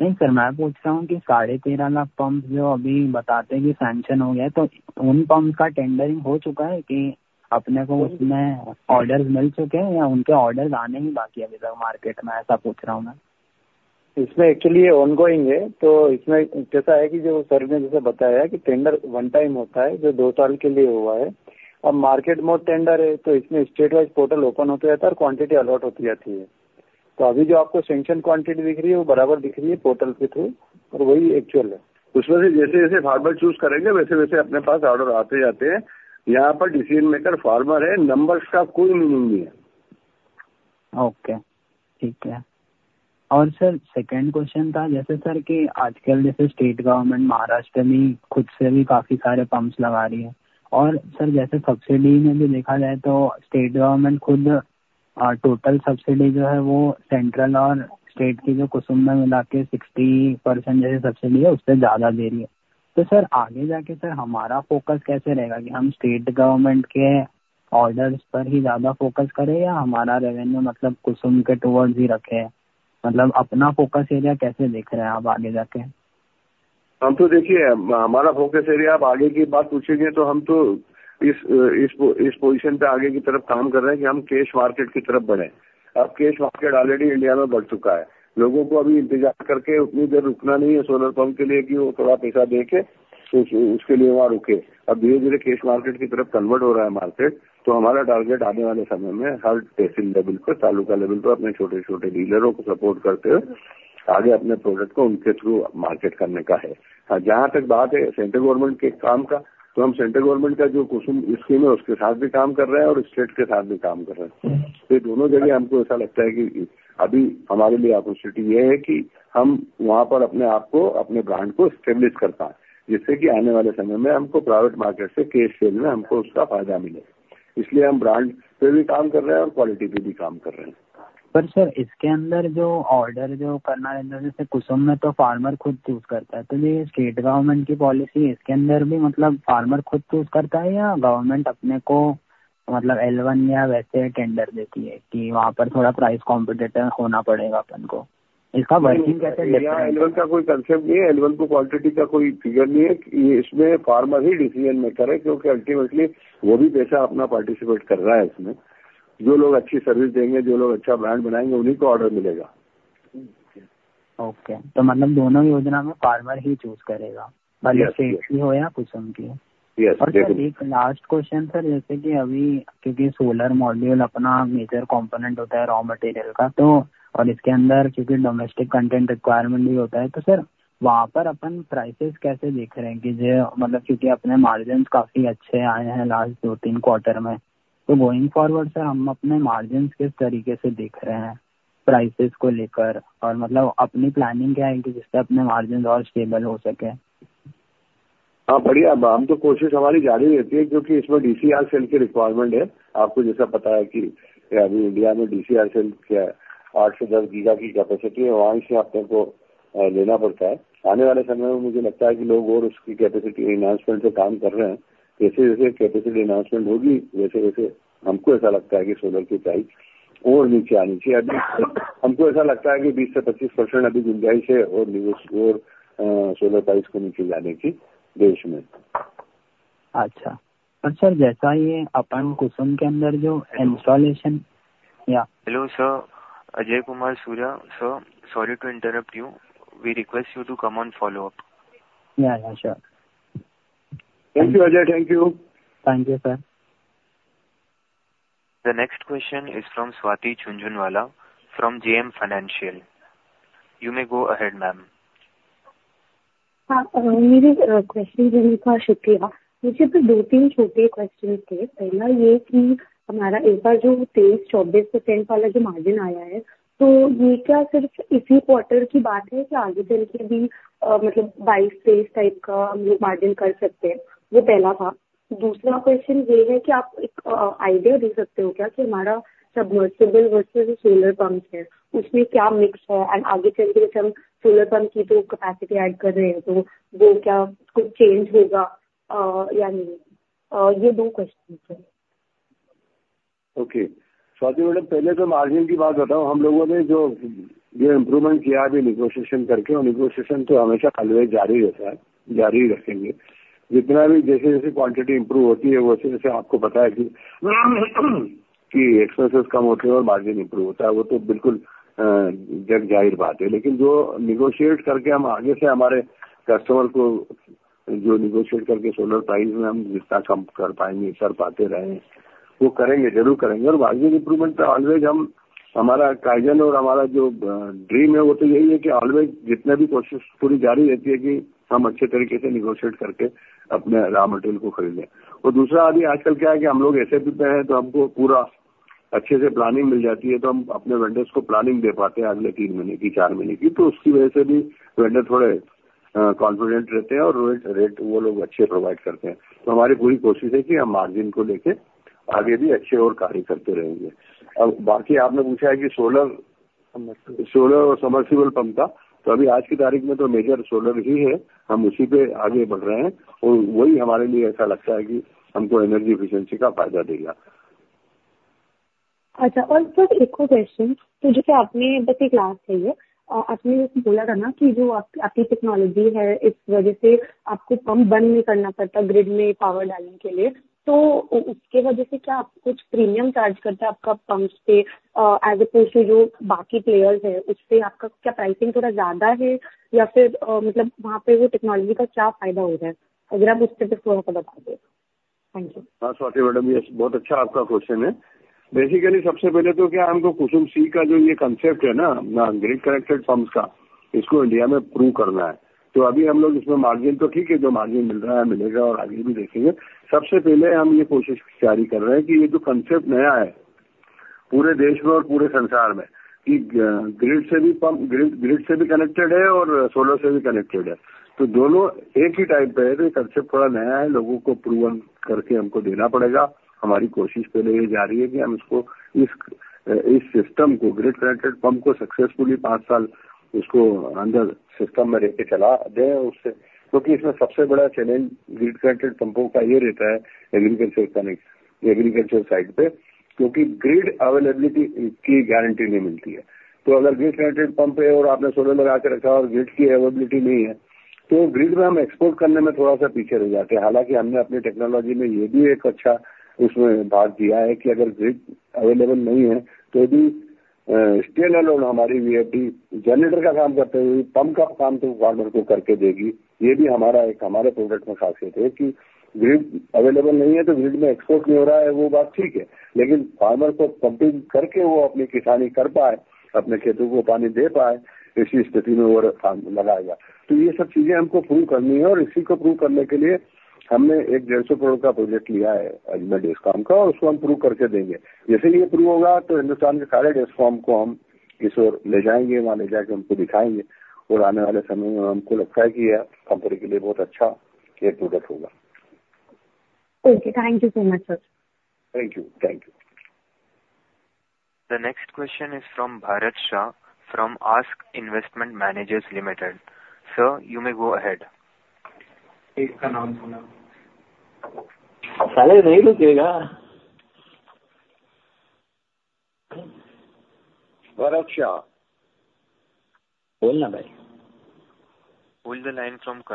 नहीं सर, मैं पूछ रहा हूं कि ₹13.5 लाख पंप जो अभी बताते हैं कि सैंक्शन हो गया तो उन पंप का टेंडरिंग हो चुका है कि अपने को उसमें ऑर्डर्स मिल चुके हैं या उनके ऑर्डर्स आने ही बाकी है। अभी तक मार्केट में ऐसा पूछ रहा हूं मैं। इसमें actually ongoing है तो इसमें ऐसा है कि जो sir ने जैसे बताया कि tender one time होता है, जो दो साल के लिए हुआ है और market में tender है तो इसमें state wise portal open होता जाता है और quantity allot होती जाती है। तो अभी जो आपको Sanction Quantity दिख रही है, वो बराबर दिख रही है Total के through और वही Actual है। उसमें से जैसे जैसे Farmer choose करेंगे, वैसे वैसे अपने होगी, वैसे वैसे हमको ऐसा लगता है कि सोलर की प्राइस और नीचे आनी चाहिए। अभी हमको ऐसा लगता है कि 20% से 25% अभी गुंजाइश है और सोलर प्राइस को नीचे जाने की देश में। अच्छा सर, जैसा यह अपने कुसुम के अंदर जो इंस्टॉलेशन है। Hello sir, Ajay Kumar Surya, sir sorry to interrupt you, we request you to come on follow up. जी sir. Thank you Ajay. Thank you. Thank you sir. The next question is from Swati Jhunjhunwala from JM Financial. You may go ahead, ma'am. हां, मेरी question थी। शुक्रिया, मुझे तो दो तीन छोटे क्वेश्चन थे। पहला यह कि हमारा एक बार जो 23-24% वाला जो मार्जिन आया है तो यह क्या सिर्फ इसी क्वार्टर की बात है कि आगे चलकर भी मतलब बाय स्पेस टाइप का हम ये मार्जिन कर सकते हैं। यह पहला था। दूसरा क्वेश्चन यह है कि आप एक आइडिया दे सकते हो क्या कि हमारा सबमर्सिबल वर्सेस सोलर पंप है, उसमें क्या मिक्स है? और आगे चलकर हम सोलर पंप की जो कैपेसिटी ऐड कर रहे हैं तो वह क्या कुछ चेंज होगा या नहीं? यह दो क्वेश्चन थे। ओके, स्वाती मैडम, पहले तो मार्जिन की बात बताऊं। हम लोगों ने जो इम्प्रूवमेंट किया, जो नेगोशिएशन करके, नेगोशिएशन तो हमेशा ऑलवेज जारी रहता है, जारी रखेंगे। जितना भी जैसे जैसे क्वांटिटी इम्प्रूव होती है, वैसे वैसे आपको पता है कि एक्सपेंसेस कम होते हैं और मार्जिन इम्प्रूव होता है, वो तो बिल्कुल जाहिर बात है। लेकिन जो नेगोशिएट करके हम आगे से हमारे कस्टमर को जो नेगोशिएट करके सोलर प्राइस में हम जितना कम कर पाएंगे, कर पाते रहे, वो करेंगे, जरूर करेंगे और इम्प्रूवमेंट ऑलवेज। हम हमारा काइजन और हमारा जो ड्रीम है, वो तो यही है कि ऑलवेज जितने भी कोशिश पूरी जारी रहती है, कि हम अच्छे तरीके से नेगोशिएट करके अपने रॉ मटेरियल को खरीदें और दूसरा अभी आजकल क्या है कि हम लोग ऐसे भी हैं तो हमको पूरा अच्छे से प्लानिंग मिल जाती है तो हम अपने वेंडर्स को प्लानिंग दे पाते हैं, अगले तीन महीने की, चार महीने की। तो उसकी वजह से भी वेंडर थोड़े कॉन्फिडेंट रहते हैं और रेट वो लोग अच्छे प्रोवाइड करते हैं। तो हमारी पूरी कोशिश है कि हम मार्जिन को लेकर आगे भी अच्छे और कार्य करते रहेंगे। बाकी आपने पूछा है कि सोलर, सोलर और सबमर्सिबल पंप का तो अभी आज की तारीख में तो मेजर सोलर ही है। हम उसी पर आगे बढ़ रहे हैं और वही हमारे लिए ऐसा लगता है कि हमको एनर्जी एफिशिएंसी का फायदा देगा। अच्छा और सर एक क्वेश्चन तो जैसे आपने क्लास में आपने बोला था ना कि जो आपकी टेक्नोलॉजी है, इस वजह से आपको पंप बंद नहीं करना पड़ता, ग्रिड में पावर डालने के लिए तो उसकी वजह से क्या कुछ प्रीमियम चार्ज करता है आपका पंप से as opposed to जो बाकी प्लेयर्स है, उससे आपका क्या प्राइसिंग थोड़ा ज्यादा है या फिर मतलब वहां पर टेक्नोलॉजी का क्या फायदा हो रहा है? अगर आप उससे थोड़ा सा बता दें। हां स्वाति मैडम, यस बहुत अच्छा आपका क्वेश्चन है। बेसिकली सबसे पहले तो क्या हमको कुसुम सी का जो ये कॉन्सेप्ट है ना, ग्रिड कनेक्टेड पंप्स का इसको इंडिया में प्रूफ करना है। तो अभी हम लोग इसमें मार्जिन तो ठीक है, जो मार्जिन मिल रहा है, मिलेगा और आगे भी देखेंगे। सबसे पहले हम यह कोशिश जारी कर रहे हैं कि यह जो कॉन्सेप्ट नया है, पूरे देश में और पूरे संसार में, कि ग्रिड से भी पंप ग्रिड से भी कनेक्टेड है और सोलर से भी कनेक्टेड है। तो दोनों एक ही टाइप के हैं। कॉन्सेप्ट थोड़ा नया है। लोगों को प्रूफ करके हमको देना पड़ेगा। हमारी कोशिश पहले ही जारी है कि हम इसको इस सिस्टम को ग्रिड कनेक्टेड पंप को सक्सेसफुली पांच साल उसको अंदर सिस्टम में करके चला दें। उससे क्योंकि इसमें सबसे बड़ा चैलेंज ग्रिड कनेक्टेड पंपों का यह रहता है एग्रीकल्चर कनेक्ट, एग्रीकल्चर साइड पर क्योंकि ग्रिड अवेलेबल की गारंटी नहीं मिलती है। तो अगर ग्रिड कनेक्टेड पंप है और आपने सोलर लगा के रखा और ग्रिड की अवेलेबिलिटी नहीं है तो ग्रिड में हम एक्सपोर्ट करने में थोड़ा सा पीछे रह जाते हैं। हालांकि हमने अपनी टेक्नोलॉजी में यह भी एक अच्छा उसमें भाग दिया है कि अगर ग्रिड अवेलेबल नहीं है तो भी स्टैंड अलोन हमारी VFD जनरेटर का काम करता है। पंप का काम तो फार्मर को करके देगी। यह भी हमारा एक हमारे प्रोडक्ट में खासियत है कि ग्रिड अवेलेबल नहीं है तो ग्रिड में एक्सपोर्ट नहीं हो रहा है। वह बात ठीक है, लेकिन फार्मर को पंपिंग करके वह अपनी किसानी कर पाए, अपने खेतों को पानी दे पाए, इसी स्थिति में वो लगाया जा। तो ये सब चीजें हमको प्रूफ करनी है और इसी को प्रूफ करने के लिए हमने एक डेढ़ सौ करोड़ का प्रोजेक्ट लिया है। देश काम का और उसको हम प्रूफ करके देंगे। जैसे ही ये प्रूफ होगा तो हिंदुस्तान के सारे DISCOM को हम इस ओर ले जाएंगे। वहां ले जाकर हमको दिखाएंगे और आने वाले समय में हमको लगता है कि यह कंपनी के लिए बहुत अच्छा एक प्रोडक्ट होगा। Okay thank you so much sir. Thank you! Thank you. The next question is from Bharat Shah from या मैं नमस्ते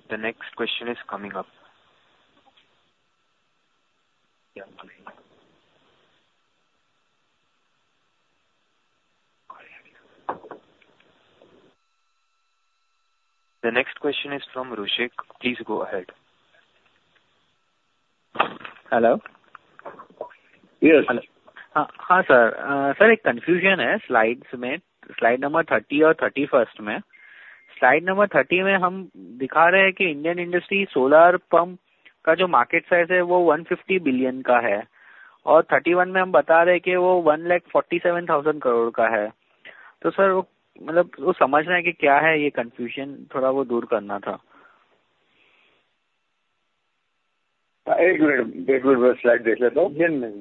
दीपक जी, मैं यही प्रश्न एक्चुअली पहले कर रहा था, पर शायद लाइन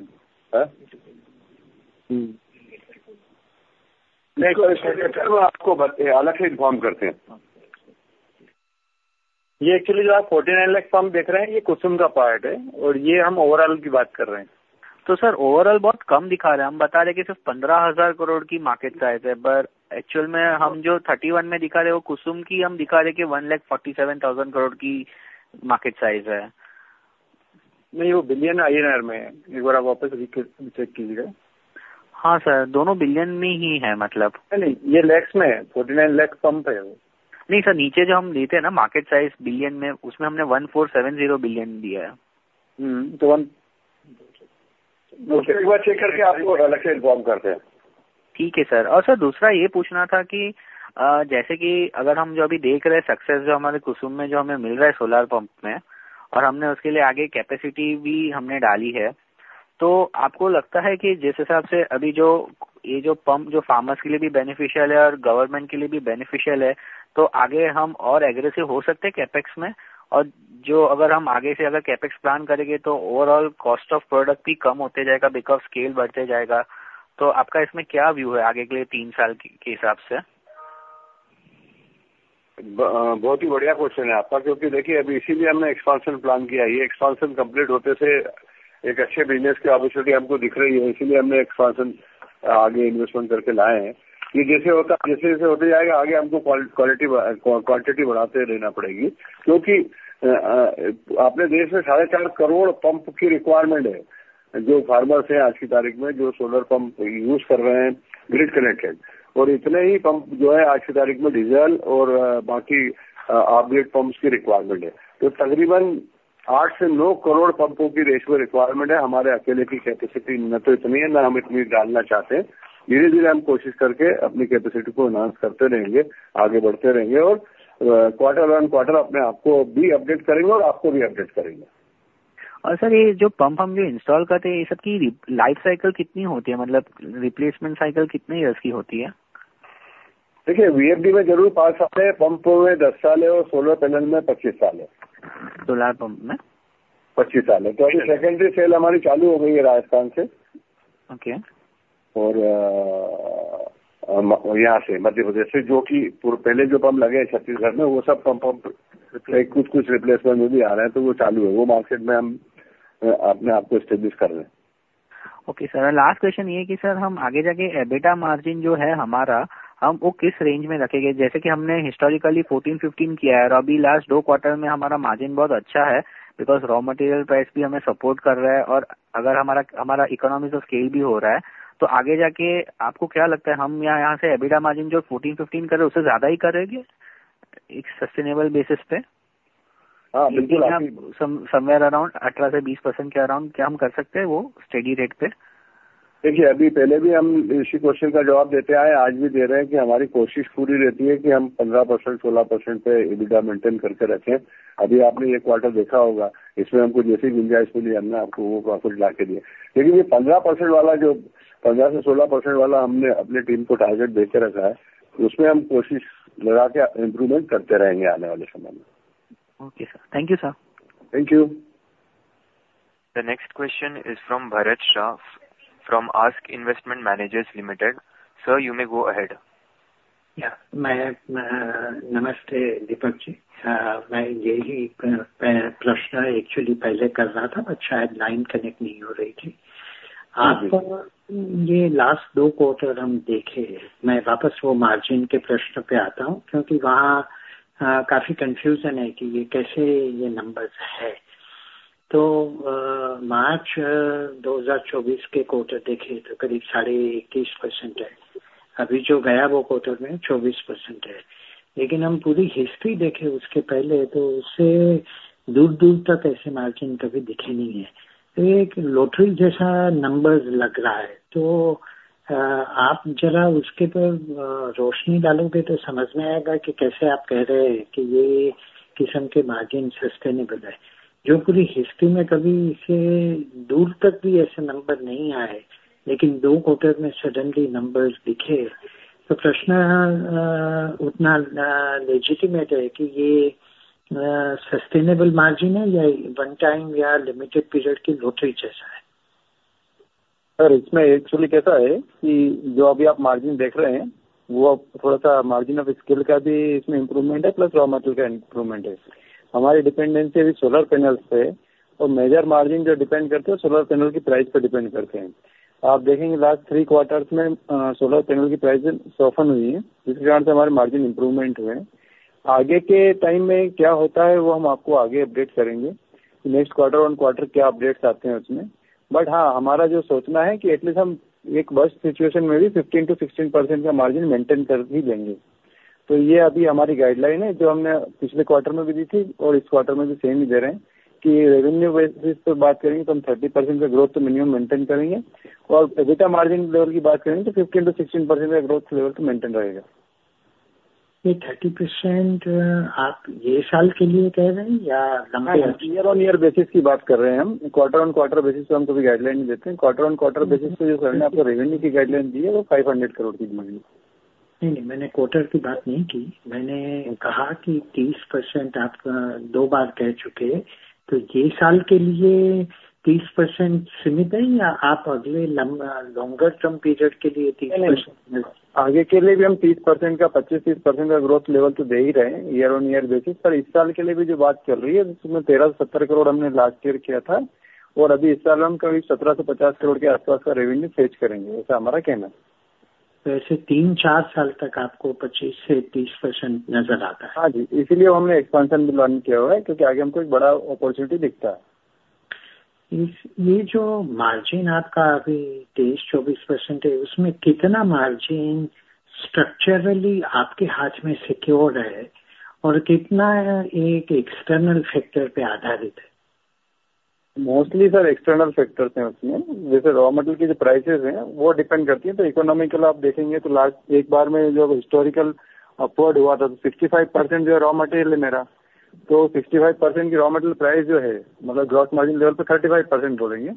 कनेक्ट नहीं हो रही थी। आपका यह लास्ट दो क्वार्टर हम देखे। मैं वापस वो मार्जिन के प्रश्न पर आता हूं, क्योंकि वहां काफी कन्फ्यूजन है कि यह कैसे यह नंबर्स है। तो मार्च 2024 के क्वार्टर देखें तो करीब 21.5% है। अभी जो गया वो क्वार्टर में 24% है। लेकिन हम पूरी हिस्ट्री देखें उसके पहले तो उससे दूर दूर तक ऐसे मार्जिन कभी दिखे नहीं है। एक लॉटरी जैसा नंबर्स लग रहा है तो आप जरा उसके पर रोशनी डालोगे तो समझ में आएगा कि कैसे आप कह रहे हैं कि यह किस्म के मार्जिन सस्टेनेबल है, जो पूरी हिस्ट्री में कभी से दूर तक भी ऐसे नंबर नहीं आए। लेकिन दो क्वार्टर में सडनली नंबर्स दिखे तो प्रश्न उतना लेजीमिट है कि यह सस्टेनेबल मार्जिन है या वन टाइम या लिमिटेड पीरियड की लॉटरी जैसा है। सर, इसमें एक्चुअली कैसा है कि जो अभी आप मार्जिन देख रहे हैं, वह थोड़ा सा मार्जिन ऑफ स्किल का भी इसमें इम्प्रूवमेंट है, प्लस रॉ मैटेरियल का इम्प्रूवमेंट है। हमारी डिपेंडेंसी भी सोलर पैनल से है और मेजर मार्जिन जो डिपेंड करते हैं, सोलर पैनल की प्राइस पर डिपेंड करते हैं। आप देखेंगे लास्ट थ्री क्वार्टर्स में सोलर पैनल की प्राइस सॉफ्ट हुई है, जिससे हमारे मार्जिन इम्प्रूवमेंट हुए हैं। आगे के टाइम में क्या होता है, वह हम आपको आगे अपडेट करेंगे। नेक्स्ट क्वार्टर ऑन क्वार्टर क्या अपडेट्स आते हैं उसमें। बट हां, हमारा जो सोचना है कि एटलीस्ट हम एक वर्स्ट सिचुएशन में भी 15% से 16% का मार्जिन मेंटेन कर ही लेंगे। तो यह अभी हमारी गाइडलाइन है, जो हमने पिछले क्वार्टर में भी दी थी और इस क्वार्टर में भी सेम ही दे रहे हैं कि रेवेन्यू बेसिस पर बात करेंगे तो हम 30% का ग्रोथ मिनिमम मेंटेन करेंगे और मार्जिन की बात करेंगे तो 15% से 16% का ग्रोथ लेवल तो मेंटेन रहेगा। ये 30% आप इस साल के लिए कह रहे हैं या। इयर ऑन ईयर बेसिस की बात कर रहे हैं हम। क्वार्टर ऑन क्वार्टर बेसिस पर हम तो अभी गाइडलाइन नहीं देते हैं। क्वार्टर ऑन क्वार्टर बेसिस पर जो हमने आपको रेवेन्यू की गाइडलाइन दी है, वो ₹500 करोड़ की दी है। नहीं नहीं, मैंने क्वार्टर की बात नहीं की। मैंने कहा कि 30% आप दो बार कह चुके हैं तो यह साल के लिए 30% सीमित है या आप अगले लंबे टर्म पीरियड के लिए 30%। आगे के लिए भी हम 30% का 25%, 30% का ग्रोथ लेवल तो दे ही रहे हैं, year-on-year basis पर। इस साल के लिए भी जो बात चल रही है, जिसमें ₹1,370 करोड़ हमने last year किया था और अभी इस साल हम करीब ₹1,750 करोड़ के आसपास का revenue fetch करेंगे, ऐसा हमारा कहना है। वैसे तीन चार साल तक आपको 25% से 30% नजर आता है। हां जी, इसीलिए हमने expansion loan किया हुआ है, क्योंकि आगे हमको एक बड़ा opportunity दिखता है। ये जो मार्जिन आपका अभी 23-24% है, उसमें कितना मार्जिन स्ट्रक्चरली आपके हाथ में सिक्योर है और कितना एक एक्सटर्नल फैक्टर पे आधारित है। मोस्टली सर एक्सटर्नल फैक्टर्स हैं, उसमें जैसे रॉ मैटेरियल के जो प्राइस हैं, वो डिपेंड करती है। इकोनॉमिकल आप देखेंगे तो लास्ट एक बार में जो हिस्टोरिकल अपवर्ड हुआ था, तो 55% जो रॉ मटेरियल मेरा तो 55% की रॉ मटेरियल प्राइस जो है, मतलब ग्रॉस मार्जिन लेवल तो 35% हो गई है।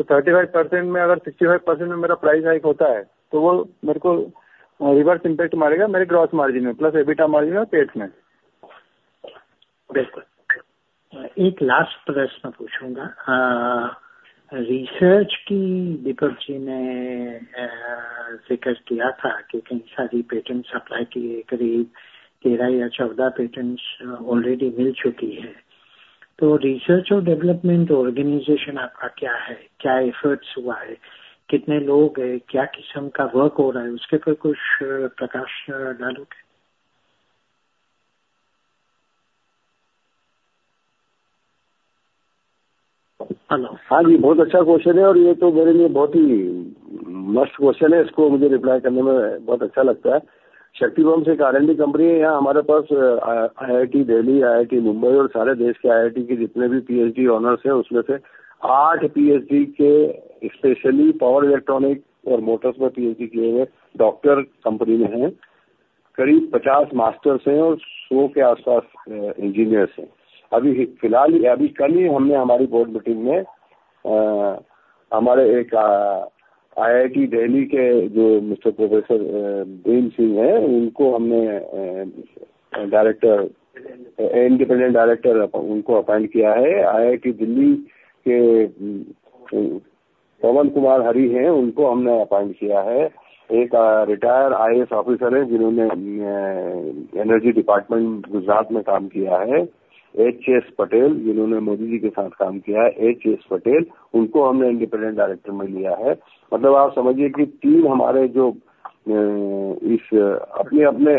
35% में अगर 55% में मेरा प्राइस हाइक होता है तो वो मेरे को रिवर्स इंपैक्ट मारेगा। मेरे ग्रॉस मार्जिन में प्लस EBITDA मार्जिन में पैट में। एक लास्ट प्रश्न पूछूंगा। रिसर्च की दीपक जी ने जिक्र किया था कि कई सारी पेटेंट सप्लाई की है। करीब तेरह या चौदह पेटेंट ऑलरेडी मिल चुकी है। तो रिसर्च और डेवलपमेंट ऑर्गनाइजेशन आपका क्या है? क्या एफर्ट्स हुआ है? कितने लोग हैं, क्या किस्म का वर्क हो रहा है, उसके पर कुछ प्रकाश डालोगे? हां जी, बहुत अच्छा क्वेश्चन है और यह तो मेरे लिए बहुत ही मस्त क्वेश्चन है। इसको मुझे रिप्लाई करने में बहुत अच्छा लगता है। शक्ति पम्प्स एक R&D कंपनी है। यहां हमारे पास IIT दिल्ली, IIT मुंबई और सारे देश के IIT के जितने भी PhD ओनर्स हैं, उसमें से आठ PhD के स्पेशली पावर, इलेक्ट्रॉनिक और मोटर्स में PhD किए हुए डॉक्टर कंपनी में हैं। करीब पचास मास्टर्स हैं और सौ के आसपास इंजीनियर हैं। फिलहाल कल ही हमने हमारी बोर्ड मीटिंग में हमारे एक IIT दिल्ली के जो मिस्टर प्रोफेसर भीम सिंह हैं, उनको हमने डायरेक्टर, इंडिपेंडेंट डायरेक्टर उनको अपॉइंट किया है। IIT दिल्ली के पवन कुमार हरि हैं, उनको हमने अपॉइंट किया है। एक रिटायर IAS ऑफिसर हैं, जिन्होंने एनर्जी डिपार्टमेंट गुजरात में काम किया है। H.S. पटेल जिन्होंने मोदी जी के साथ काम किया है। H.S. पटेल उनको हमने इंडिपेंडेंट डायरेक्टर में लिया है। मतलब आप समझिए कि तीन हमारे जो अपने अपने क्षेत्र के बड़े जितने नाम हो सकते हैं, उनको कंपनी के बोर्ड में हम लाने की कोशिश की है। एक हमारे IIT के प्रोफेसर हैं, जो इंदौर में उनके मार्केटिंग और सिटी में बहुत ही उनका बड़ा नाम है। इंदौर IIT में उनको हमने डायरेक्टर बनाया है। हाल ही में हमने हमारे जो सत्रह साल से हमारे एक्सपोर्ट में... उनका योगदान अच्छा था। हमारे अश्विन बुतरा जी का, उनको हमने Director बनाया है तो ये कल ही की Board Meeting में ये सब चीजें हुई हैं, क्योंकि हम R&D कंपनी हैं। R&D में आगे बढ़ना चाहते हैं तो R&D के लोग ही हमको मार्गदर्शन दें। उसमें हमसे कोई गलती नहीं हो, इसलिए Board में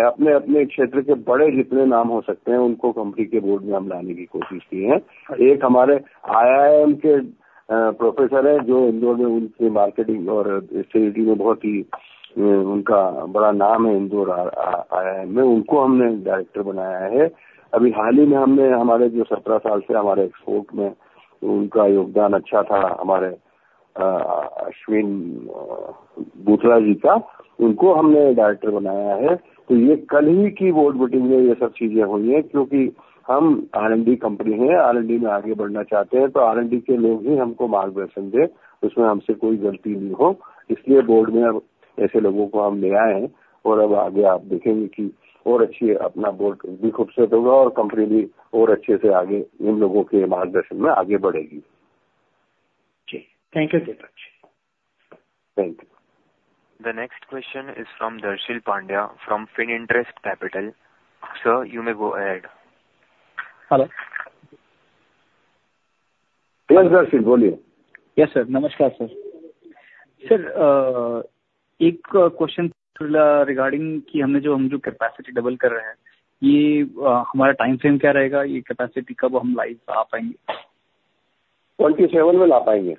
अब ऐसे लोगों को हम ले आए हैं और अब आगे आप देखेंगे कि और अच्छी अपना Board भी खूबसूरत होगा और कंपनी भी और अच्छे से आगे इन लोगों के मार्गदर्शन में आगे बढ़ेगी। Thank you so much! Thank you. The next question is from Darshil Pandya from Finterest Capital. Sir, you may go ahead. Hello. Yes, darshan boliye. Yes sir, नमस्कार sir. Sir एक question regarding कि हमने जो हम जो capacity double कर रहे हैं, ये हमारा time frame क्या रहेगा? ये capacity कब हम live ला पाएंगे?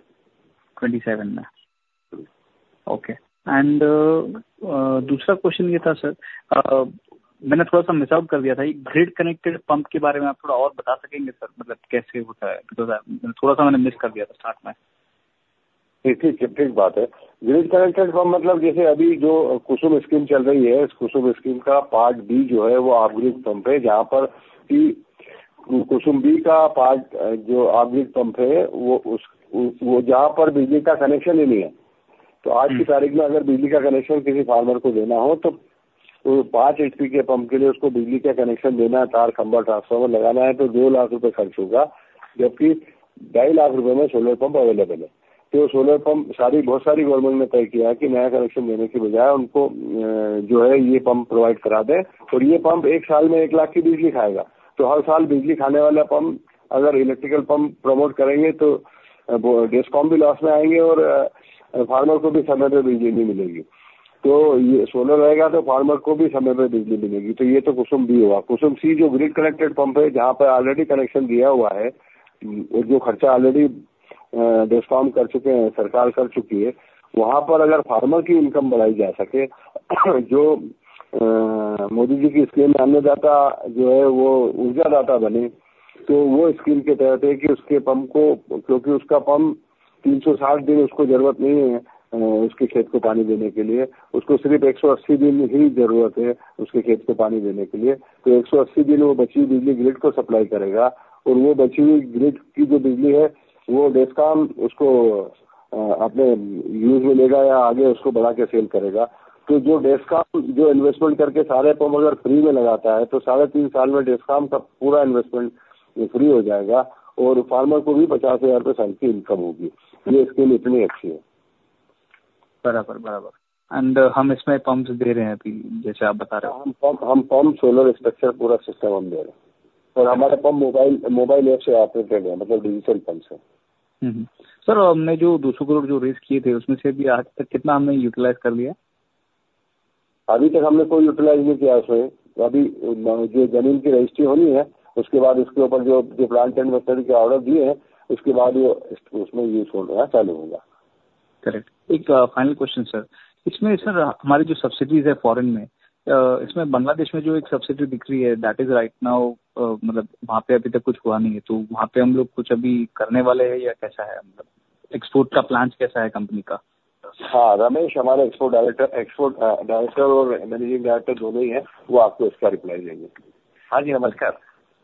27 में ला पाएंगे। ट्वेंटी सेवन में, ओके। और दूसरा क्वेश्चन ये था सर, मैंने थोड़ा सा मिस आउट कर दिया था। ग्रिड कनेक्टेड पंप के बारे में आप थोड़ा और बता सकेंगे सर। मतलब कैसे होता है? थोड़ा सा मैंने मिस कर दिया था, स्टार्ट में। ठीक है, ठीक बात है। ग्रिड कनेक्टेड पंप मतलब जैसे अभी जो कुसुम स्कीम चल रही है, कुसुम स्कीम का पार्ट बी जो है वो एग्री पंप है। जहां पर कि कुसुम बी का पार्ट जो एग्री पंप है, वो जहां पर बिजली का कनेक्शन ही नहीं है। तो आज की तारीख में अगर बिजली का कनेक्शन किसी फार्मर को लेना हो तो पांच एचपी के पंप के लिए उसको बिजली का कनेक्शन लेना है। तार, खंबा, ट्रांसफार्मर लगाना है तो ₹2 लाख खर्च होगा। जबकि ढाई लाख रुपए में सोलर पंप अवेलेबल है। तो सोलर पंप सारी बहुत सारी गवर्नमेंट ने तय किया है कि नया कनेक्शन देने की बजाय उनको जो है, यह पंप प्रोवाइड करा दें और यह पंप एक साल में ₹1 लाख की बिजली खाएगा। तो हर साल बिजली खाने वाला पंप अगर इलेक्ट्रिकल पंप प्रमोट करेंगे तो डिस्कॉम भी लॉस में आएंगे और फार्मर को भी समय पर बिजली नहीं मिलेगी। तो सोलर रहेगा तो फार्मर को भी समय पर बिजली मिलेगी। तो यह तो कुसुम बी हुआ। कुसुम सी जो ग्रिड कनेक्टेड पंप है, जहां पर ऑलरेडी कनेक्शन दिया हुआ है। जो खर्चा ऑलरेडी डिस्कॉम कर चुके हैं, सरकार कर चुकी है। वहां पर अगर फार्मर की इनकम बढ़ाई जा सके, जो मोदी जी की स्कीम में अन्नदाता जो है, वह ऊर्जादाता बने तो वह स्कीम के तहत है कि उसके पंप को क्योंकि उसका पंप 360 दिन उसको जरूरत नहीं है। उसके खेत को पानी देने के लिए उसको सिर्फ 180 दिन ही जरूरत है। उसके खेत को पानी देने के लिए तो 180 दिन वो बची हुई बिजली ग्रिड को सप्लाई करेगा और वह बची हुई ग्रिड की जो बिजली है, वह डिस्कॉम उसको अपने यूज में लेगा या आगे उसको बढ़ाकर सेल करेगा। तो जो डिस्कॉम जो इन्वेस्टमेंट करके सारे पंप अगर फ्री में लगाता है तो साढ़े तीन साल में डिस्कॉम का पूरा इन्वेस्टमेंट फ्री हो जाएगा और फार्मर को भी पचास हज़ार रुपए साल की इनकम होगी। ये स्कीम इतनी अच्छी है। बराबर बराबर और हम इसमें पंप्स दे रहे हैं। जैसे आप बता रहे हैं। हम पंप, सोलर, स्ट्रक्चर, पूरा सिस्टम हम दे रहे हैं और हमारे पंप मोबाइल ऐप से ऑपरेटेड हैं। मतलब डिजिटल पंप हैं। सर, हमने जो ₹200 करोड़ जो राइज किए थे, उसमें से भी आज तक कितना हमने यूटिलाइज कर लिया है। अभी तक हमने कोई यूटिलाइज नहीं किया है। अभी जो जमीन की रजिस्ट्री होनी है, उसके बाद उसके ऊपर जो प्लांट एंड मशीनरी के ऑर्डर दिए हैं, उसके बाद उसमें यूज होना शुरू होगा। करेक्ट। एक फाइनल क्वेश्चन सर, इसमें सर हमारी जो सब्सिडी है, फॉरेन में इसमें बांग्लादेश में जो एक सब्सिडी दिख रही है, दैट इज राइट नाउ। मतलब वहां पर अभी तक कुछ हुआ नहीं है तो वहां पर हम लोग कुछ अभी करने वाले हैं या कैसा है? मतलब एक्सपोर्ट का प्लान कैसा है, कंपनी का? हां, रमेश हमारे Export Director, Export Director और Managing Director दोनों ही हैं। वह आपको इसका reply देंगे। हां जी, नमस्कार।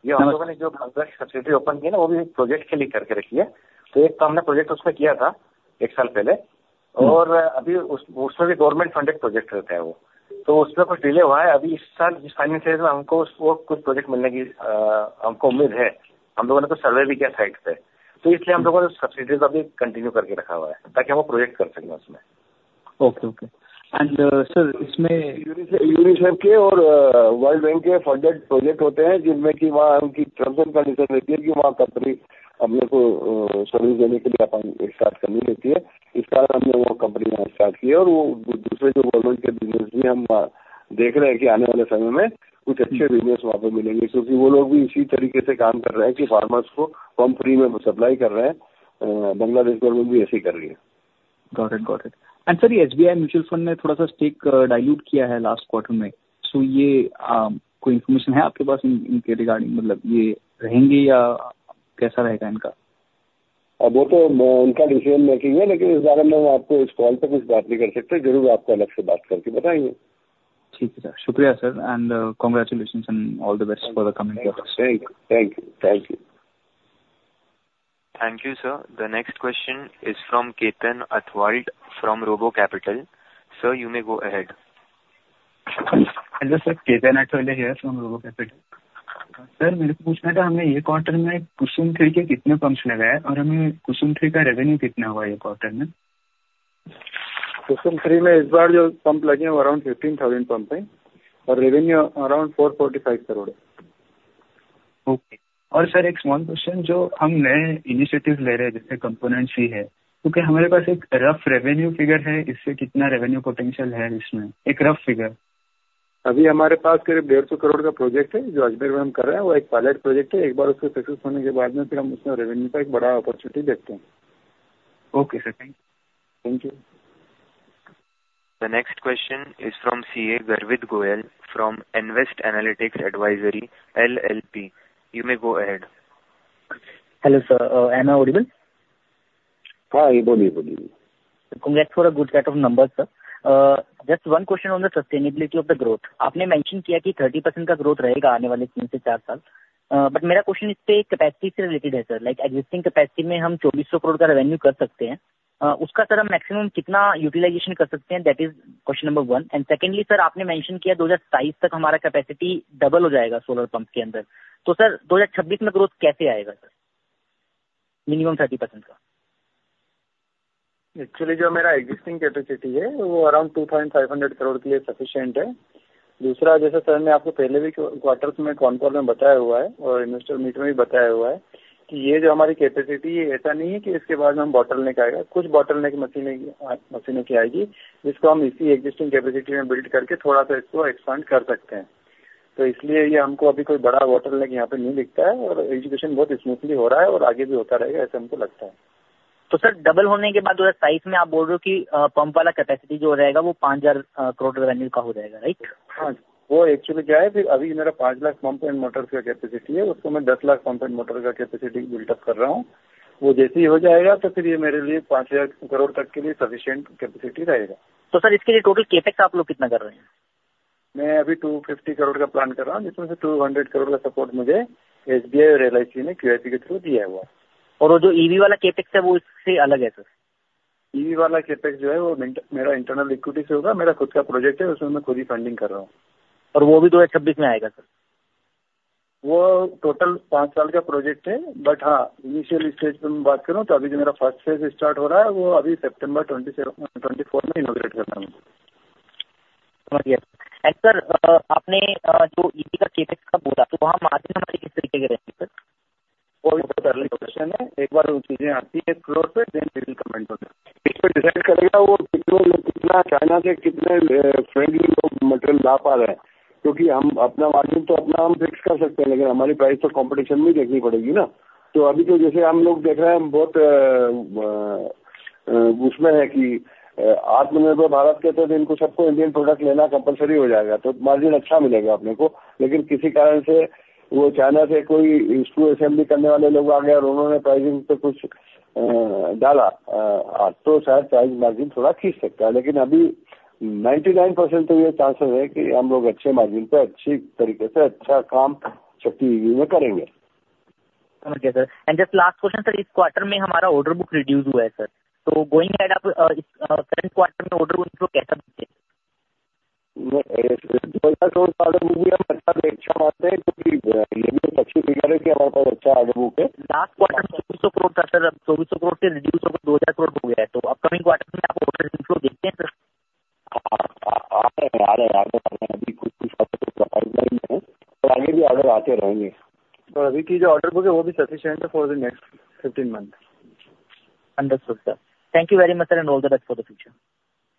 ये हम लोगों ने जो सब्सिडी ओपन की है ना, वो भी एक प्रोजेक्ट के लिए करके रखी है। तो एक तो हमने प्रोजेक्ट उसमें किया था, एक साल पहले और अभी उसमें भी गवर्नमेंट फंडेड प्रोजेक्ट रहता है। वो तो उसमें कुछ डिले हुआ है। अभी इस साल इस फाइनेंशियल में हमको कुछ प्रोजेक्ट मिलने की हमको उम्मीद है। हम लोगों ने तो सर्वे भी किया साइट पे, तो इसलिए हम लोगों ने सब्सिडी अभी कंटिन्यू करके रखा हुआ है ताकि हम प्रोजेक्ट कर सकें उसमें। ओके, ओके एंड सर इसमें। यूनिसेफ के और वर्ल्ड बैंक के फंडेड प्रोजेक्ट होते हैं, जिनमें की वहां उनकी कंडीशन रहती है कि वहां कंपनी अपने को सर्विस देने के लिए अपन एक साथ कर लेती है। इस साल हमने वो कंपनी स्टार्ट की है और वो दूसरे जो गवर्नमेंट के बिजनेस में हम देख रहे हैं कि आने वाले समय में कुछ अच्छे बिजनेस वहां पर मिलेंगे, क्योंकि वो लोग भी इसी तरीके से काम कर रहे हैं कि फार्मर्स को पंप फ्री में सप्लाई कर रहे हैं। बांग्लादेश गवर्नमेंट भी ऐसे ही कर रही है। Got it, got it. और sir ये SBI Mutual Fund ने थोड़ा सा stake dilute किया है last quarter में तो ये कोई information है आपके पास इनके regarding? मतलब ये रहेंगे या कैसा रहेगा इनका? अब वो तो उनका डिसीजन मेकिंग है, लेकिन इस बारे में हम आपको इस कॉल पर कुछ बात नहीं कर सकते। जरूर आपको अलग से बात करके बताएंगे। शुक्रिया sir and congratulation and all the best for the coming. Thank you. Thank you. Thank you sir. The next question is from Ketan Athwal from Robo Capital. Sir, you may go ahead. Hello sir, Ketan Athwal here from Robo Capital. Sir, मुझे पूछना था, हमने एक quarter में कुसुम three के कितने pumps लगाए हैं और हमें कुसुम थ्री का रेवेन्यू कितना हुआ, इस क्वार्टर में? कुसुम थ्री में इस बार जो पंप लगे हैं, अराउंड 15,000 पंप है और रेवेन्यू अराउंड ₹455 करोड़ है। ओके और सर, एक स्मॉल क्वेश्चन जो हम नए इनिशिएटिव ले रहे हैं, जैसे कंपोनेंट्स भी है, क्योंकि हमारे पास एक रफ रेवेन्यू फिगर है, इससे कितना रेवेन्यू पोटेंशियल है, इसमें एक रफ फिगर। अभी हमारे पास करीब ₹150 करोड़ का प्रोजेक्ट है, जो अजमेर में हम कर रहे हैं। वह एक पायलट प्रोजेक्ट है। एक बार उसे सक्सेस होने के बाद में फिर हम उसमें रेवेन्यू का एक बड़ा अपॉर्चुनिटी देखते हैं। Okay sir, thank you. Thank you. The next question is from CA Garvit Goyal from Nvest Analytics Advisory LLP. You may go ahead. Hello sir, am I audible? हां जी बोलिए, बोलिए। Congrats for a good set of numbers sir. Just one question on the sustainability of the growth. आपने mention किया कि 30% का growth रहेगा आने वाले तीन से चार साल। बट मेरा क्वेश्चन इस पर कैपेसिटी से रिलेटेड है सर। लाइक एक्जिस्टिंग कैपेसिटी में हम INR 2,400 करोड़ का रेवेन्यू कर सकते हैं। उसका सर मैक्सिमम कितना यूटिलाइजेशन कर सकते हैं? That is question number one and secondly sir, आपने मेंशन किया 2027 तक हमारा कैपेसिटी डबल हो जाएगा सोलर पंप के अंदर तो सर 2026 में ग्रोथ कैसे आएगा सर? मिनिमम 30% का। एक्चुअली जो मेरा एक्जिस्टिंग कैपेसिटी है, वो अराउंड ₹250 करोड़ के लिए सफिशिएंट है। दूसरा जैसे मैंने आपको पहले भी क्वार्टर्स में कॉन्फ्रेंस में बताया हुआ है और इन्वेस्टर मीट में भी बताया हुआ है कि यह जो हमारी कैपेसिटी है, ऐसा नहीं है कि इसके बाद में बॉटलनेक आएगा। कुछ बॉटलनेक मशीनों की आएगी, जिसको हम इसी एक्जिस्टिंग कैपेसिटी में बिल्ड करके थोड़ा सा इसको एक्सपैंड कर सकते हैं। तो इसलिए यह हमको अभी कोई बड़ा बॉटलनेक यहां पर नहीं दिखता है और एक्जीक्यूशन बहुत स्मूथली हो रहा है और आगे भी होता रहेगा, ऐसा हमको लगता है। तो सर डबल होने के बाद दो हज़ार सत्ताईस में आप बोल रहे हो कि पंप वाला कैपेसिटी जो रहेगा वो पाँच हज़ार करोड़ रेवेन्यू का हो जाएगा। राइट। हां, वो एक्चुअली क्या है कि अभी मेरा ₹5 लाख पंप और मोटर का next fifteen months. Understood sir. Thank you very much and all the best for the future.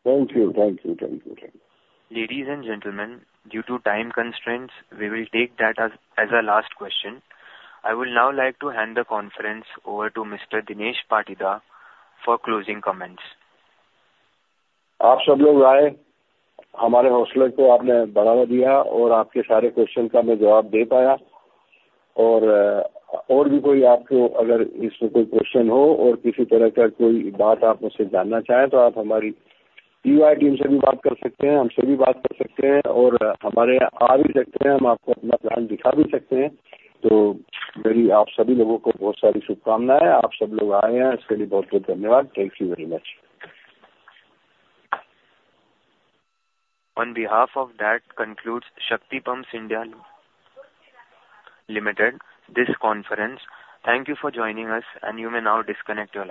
Thank you. Thank you. Ladies and gentlemen, due to time constraints, we will take that as a last question. I would like to hand the conference over to Mr. Dinesh Patidar for closing comments. आप सब लोग आए, हमारे हौसले को आपने बढ़ावा दिया और आपके सारे क्वेश्चन का मैं जवाब दे पाया और भी कोई आपको अगर इसमें कोई क्वेश्चन हो और किसी तरह का कोई बात आप मुझसे जानना चाहें तो आप हमारी टीम से भी बात कर सकते हैं। हमसे भी बात कर सकते हैं और हमारे यहां आ भी सकते हैं। हम आपको अपना प्लान दिखा भी सकते हैं। तो मेरी आप सभी लोगों को बहुत सारी शुभकामनाएं। आप सब लोग आए हैं, इसके लिए बहुत बहुत धन्यवाद। Thank you very much. On behalf of that, conclude Shakti Pumps India Limited. This conference. Thank you for joining us and you may now disconnect your line.